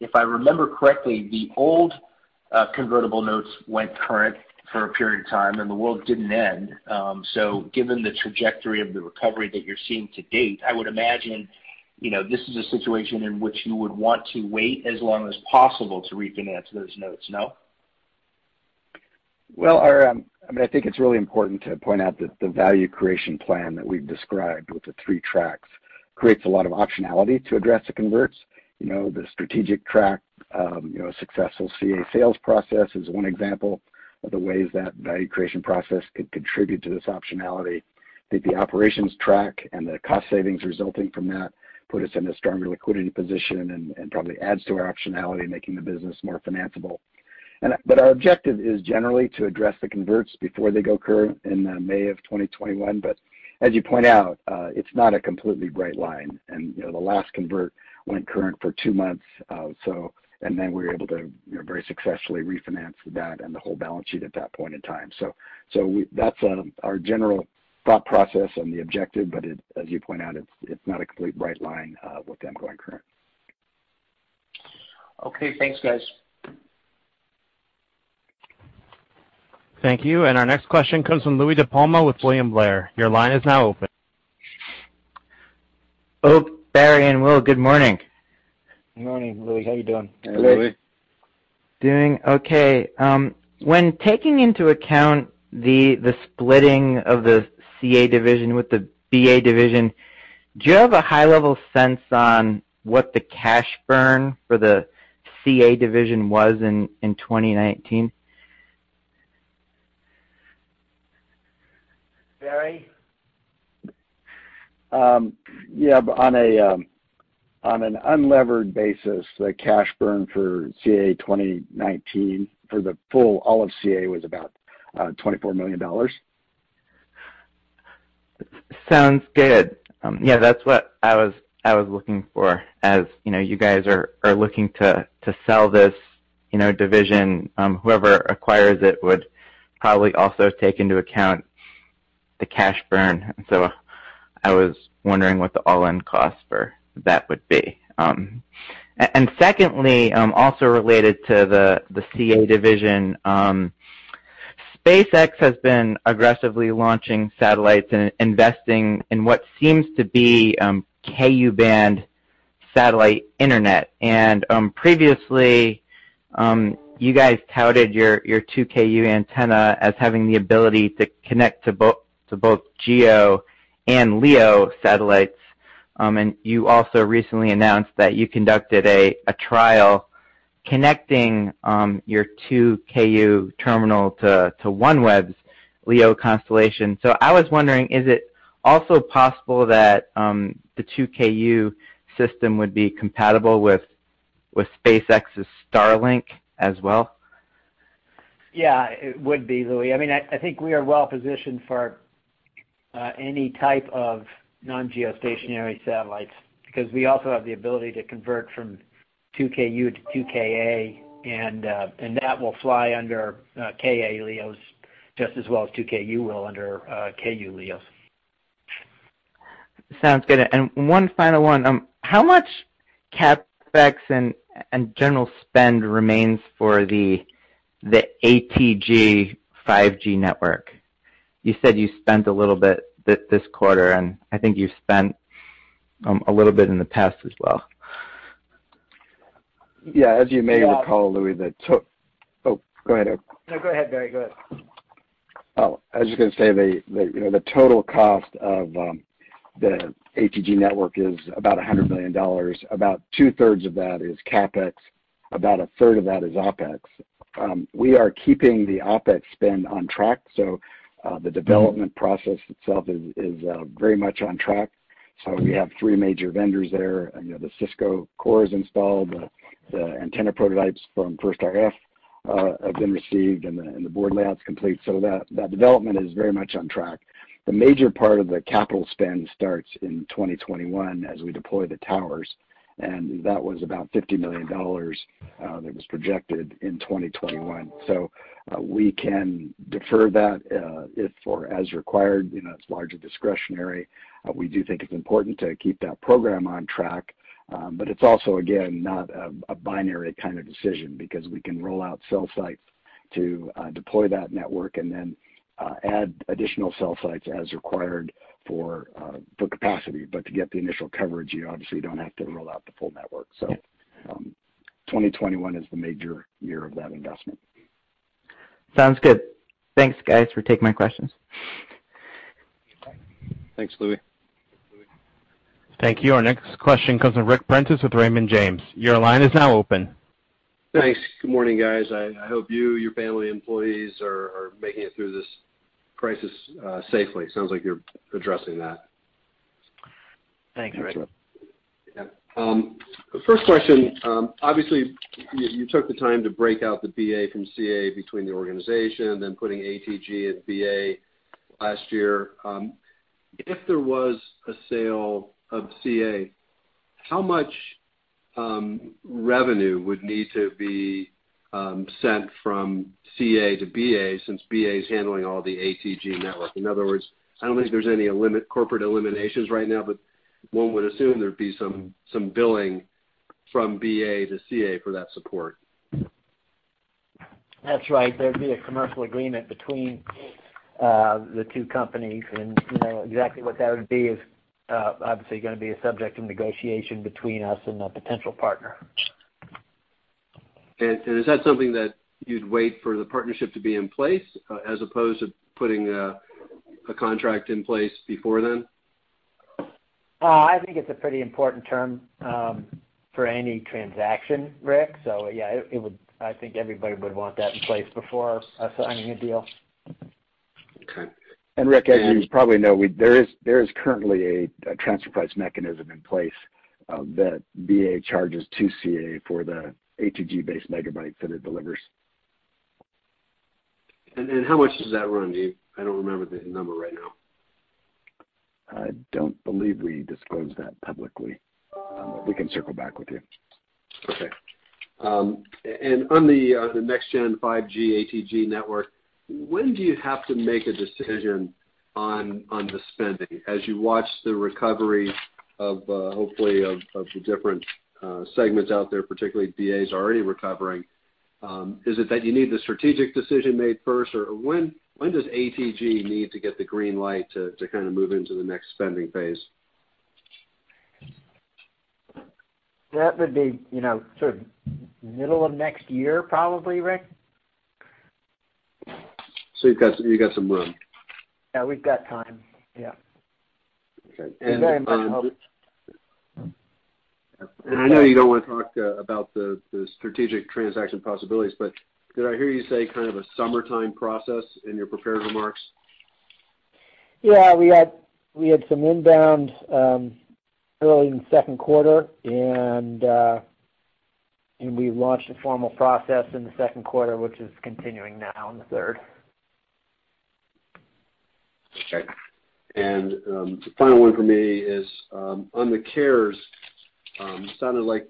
If I remember correctly, the old convertible notes went current for a period of time, and the world didn't end. Given the trajectory of the recovery that you're seeing to date, I would imagine this is a situation in which you would want to wait as long as possible to refinance those notes, no? I think it's really important to point out that the value creation plan that we've described with the three tracks creates a lot of optionality to address the converts. The strategic track, successful CA sales process is one example of the ways that value creation process could contribute to this optionality. I think the operations track and the cost savings resulting from that put us in a stronger liquidity position and probably adds to our optionality, making the business more financeable. Our objective is generally to address the converts before they go current in May 2021. As you point out, it's not a completely bright line. The last convert went current for two months, and then we were able to very successfully refinance that and the whole balance sheet at that point in time. That's our general thought process and the objective, but as you point out, it's not a complete bright line with them going current. Okay, thanks, guys. Thank you. Our next question comes from Louie DiPalma with William Blair. Your line is now open. Barry, and Will, good morning. Morning, Louie. How you doing? Hey, Louie. Doing okay. When taking into account the splitting of the CA division with the BA division, do you have a high-level sense on what the cash burn for the CA division was in 2019? Barry? Yeah. On an unlevered basis, the cash burn for CA 2019 for the full all of CA was about $24 million. Sounds good. Yeah, that's what I was looking for. As you guys are looking to sell this division, whoever acquires it would probably also take into account the cash burn. I was wondering what the all-in cost for that would be. Secondly, also related to the CA division, SpaceX has been aggressively launching satellites and investing in what seems to be Ku-band satellite internet. Previously, you guys touted your 2Ku antenna as having the ability to connect to both GEO and LEO satellites. You also recently announced that you conducted a trial connecting your 2Ku terminal to OneWeb's LEO constellation. I was wondering, is it also possible that the 2Ku system would be compatible with SpaceX's Starlink as well? Yeah. It would be, Louie. I think we are well-positioned for any type of non-geostationary satellites because we also have the ability to convert from 2Ku to 2Ka, and that will fly under Ka-band LEOs just as well as 2Ku will under Ku-band LEOs. Sounds good. One final one. How much CapEx and general spend remains for the ATG 5G network? You said you spent a little bit this quarter, and I think you've spent a little bit in the past as well. As you may recall, Louie, go ahead. No, go ahead, Barry. Go ahead. I was just going to say, the total cost of the ATG network is about $100 million. About two-thirds of that is CapEx. About a third of that is OpEx. We are keeping the OpEx spend on track, the development process itself is very much on track. We have three major vendors there. The Cisco core is installed, the antenna prototypes from First RF have been received, and the board layout's complete. That development is very much on track. The major part of the capital spend starts in 2021 as we deploy the towers, and that was about $50 million that was projected in 2021. We can defer that if or as required. It's largely discretionary. We do think it's important to keep that program on track. It's also, again, not a binary kind of decision because we can roll out cell sites to deploy that network and then add additional cell sites as required for capacity. To get the initial coverage, you obviously don't have to roll out the full network. 2021 is the major year of that investment. Sounds good. Thanks, guys, for taking my questions. Thanks, Louie. Thank you. Our next question comes from Ric Prentiss with Raymond James. Your line is now open. Thanks. Good morning, guys. I hope you, your family, employees are making it through this crisis safely. Sounds like you're addressing that. Thanks, Ric. Yeah. First question, obviously, you took the time to break out the BA from CA between the organization, then putting ATG in BA last year. If there was a sale of CA, how much revenue would need to be sent from CA to BA since BA is handling all the ATG network? In other words, I don't think there's any corporate eliminations right now, but one would assume there'd be some billing from BA to CA for that support. That's right. There'd be a commercial agreement between the two companies. Exactly what that would be is obviously going to be a subject of negotiation between us and a potential partner. Is that something that you'd wait for the partnership to be in place, as opposed to putting a contract in place before then? I think it's a pretty important term for any transaction, Ric. Yeah, I think everybody would want that in place before signing a deal. Okay. Ric, as you probably know, there is currently a transfer price mechanism in place that BA charges to CA for the ATG base megabyte that it delivers. How much does that run you? I don't remember the number right now. I don't believe we disclose that publicly. We can circle back with you. Okay. On the NextGen 5G ATG network, when do you have to make a decision on the spending as you watch the recovery hopefully of the different segments out there, particularly BA's already recovering. Is it that you need the strategic decision made first, or when does ATG need to get the green light to kind of move into the next spending phase? That would be sort of middle of next year, probably, Ric. You've got some room. Yeah, we've got time. Yeah. Okay. We very much hope. I know you don't want to talk about the strategic transaction possibilities, but did I hear you say kind of a summertime process in your prepared remarks? Yeah, we had some inbound early in the second quarter, and we launched a formal process in the second quarter, which is continuing now in the third. Okay. The final one from me is, on the CARES Act, it sounded like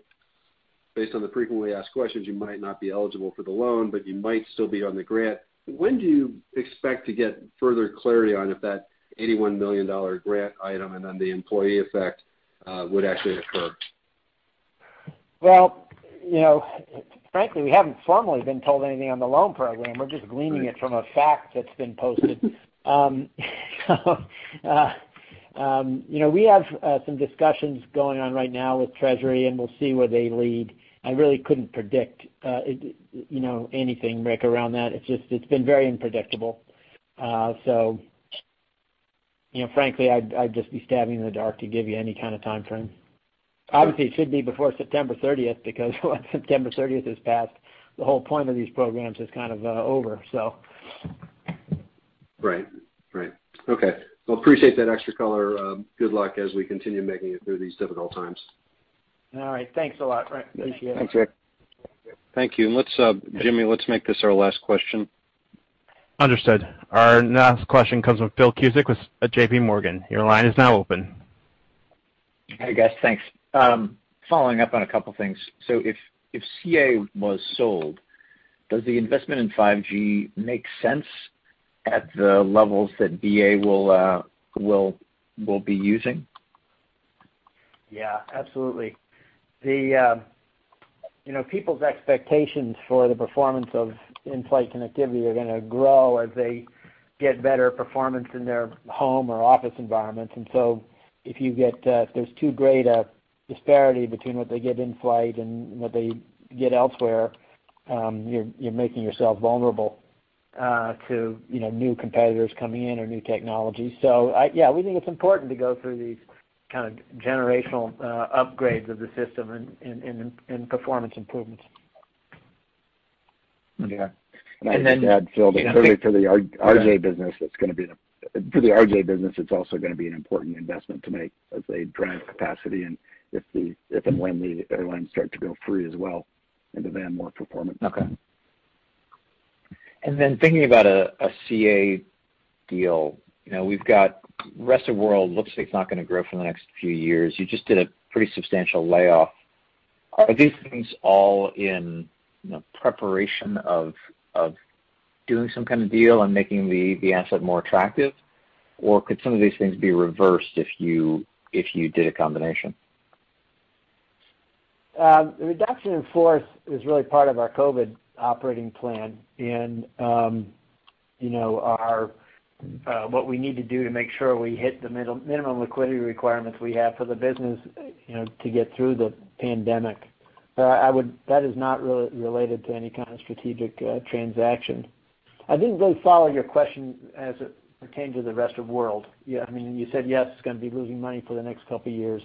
based on the frequently asked questions, you might not be eligible for the loan, but you might still be on the grant. When do you expect to get further clarity on if that $81 million grant item and then the employee effect would actually occur? Frankly, we haven't formally been told anything on the loan program. We're just gleaning it from a FAQ that's been posted. We have some discussions going on right now with Treasury. We'll see where they lead. I really couldn't predict anything, Ric, around that. It's been very unpredictable. Frankly, I'd just be stabbing in the dark to give you any kind of timeframe. Obviously, it should be before September 30th, because once September 30th has passed, the whole point of these programs is kind of over. Right. Okay. Appreciate that extra color. Good luck as we continue making it through these difficult times. All right. Thanks a lot, Ric. Appreciate it. Thanks, Ric. Thank you. Jimmy, let's make this our last question. Understood. Our last question comes from Philip Cusick with JPMorgan. Your line is now open. Hi, guys. Thanks. Following up on a couple things. If CA was sold, does the investment in 5G make sense at the levels that BA will be using? Yeah, absolutely. People's expectations for the performance of in-flight connectivity are going to grow as they get better performance in their home or office environments. If there's too great a disparity between what they get in-flight and what they get elsewhere, you're making yourself vulnerable. To new competitors coming in or new technologies. Yeah, we think it's important to go through these kind of generational upgrades of the system and performance improvements. Okay. I'd just add, Phil, that clearly for the RJ business, it's also going to be an important investment to make as they drive capacity and if and when the airlines start to go free as well and demand more performance. Okay. Thinking about a CA deal. We've got rest of world looks like it's not going to grow for the next few years. You just did a pretty substantial layoff. Are these things all in preparation of doing some kind of deal and making the asset more attractive? Could some of these things be reversed if you did a combination? The reduction in force is really part of our COVID operating plan and what we need to do to make sure we hit the minimum liquidity requirements we have for the business to get through the pandemic. That is not really related to any kind of strategic transaction. I didn't really follow your question as it pertained to the rest of world. You said, yes, it's going to be losing money for the next couple of years,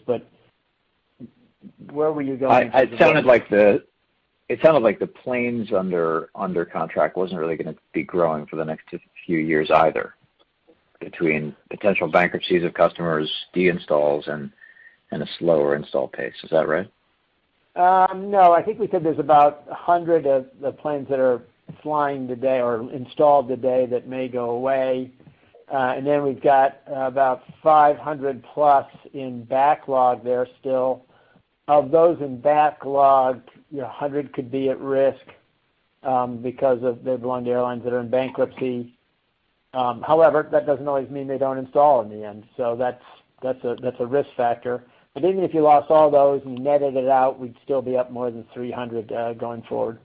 where were you going with the rest of- It sounded like the planes under contract wasn't really going to be growing for the next few years either, between potential bankruptcies of customers, deinstalls, and a slower install pace. Is that right? I think we said there's about 100 of the planes that are flying today or installed today that may go away. We've got about 500+ in backlog there still. Of those in backlog, 100 could be at risk because they belong to airlines that are in bankruptcy. However, that doesn't always mean they don't install in the end. That's a risk factor. Even if you lost all those and you netted it out, we'd still be up more than 300 going forward.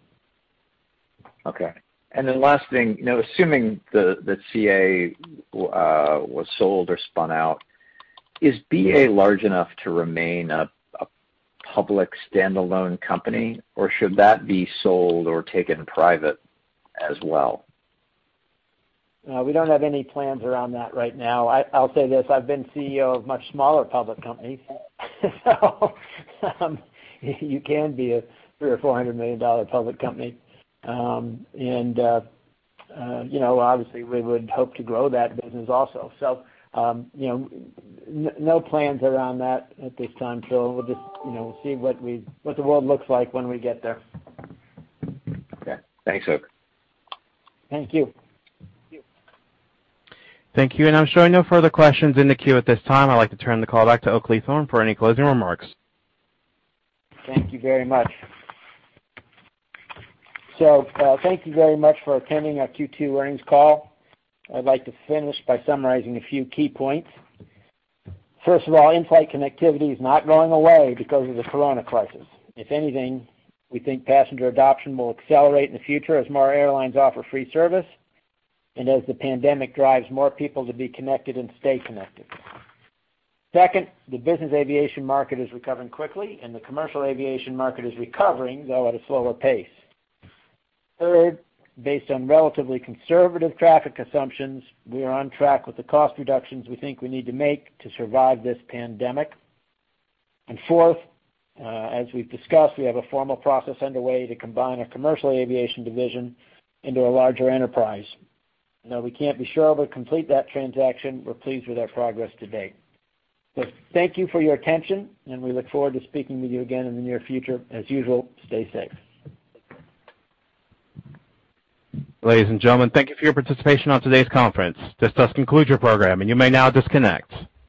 Okay. Then last thing, assuming that CA was sold or spun out, is BA large enough to remain a public standalone company, or should that be sold or taken private as well? We don't have any plans around that right now. I'll say this. I've been CEO of much smaller public companies. You can be a $300 million or $400 million public company. Obviously we would hope to grow that business also. No plans around that at this time, Philip. We'll just see what the world looks like when we get there. Okay. Thanks, Oakleigh. Thank you. Thank you. I'm showing no further questions in the queue at this time. I'd like to turn the call back to Oakleigh Thorne for any closing remarks. Thank you very much. Thank you very much for attending our Q2 earnings call. I'd like to finish by summarizing a few key points. First of all, in-flight connectivity is not going away because of the corona crisis. If anything, we think passenger adoption will accelerate in the future as more airlines offer free service and as the pandemic drives more people to be connected and stay connected. Second, the business aviation market is recovering quickly, and the commercial aviation market is recovering, though at a slower pace. Third, based on relatively conservative traffic assumptions, we are on track with the cost reductions we think we need to make to survive this pandemic. Fourth, as we've discussed, we have a formal process underway to combine our commercial aviation division into a larger enterprise. Though we can't be sure we'll complete that transaction, we're pleased with our progress to date. Thank you for your attention, and we look forward to speaking with you again in the near future. As usual, stay safe. Ladies and gentlemen, thank you for your participation on today's conference. This does conclude your program, and you may now disconnect.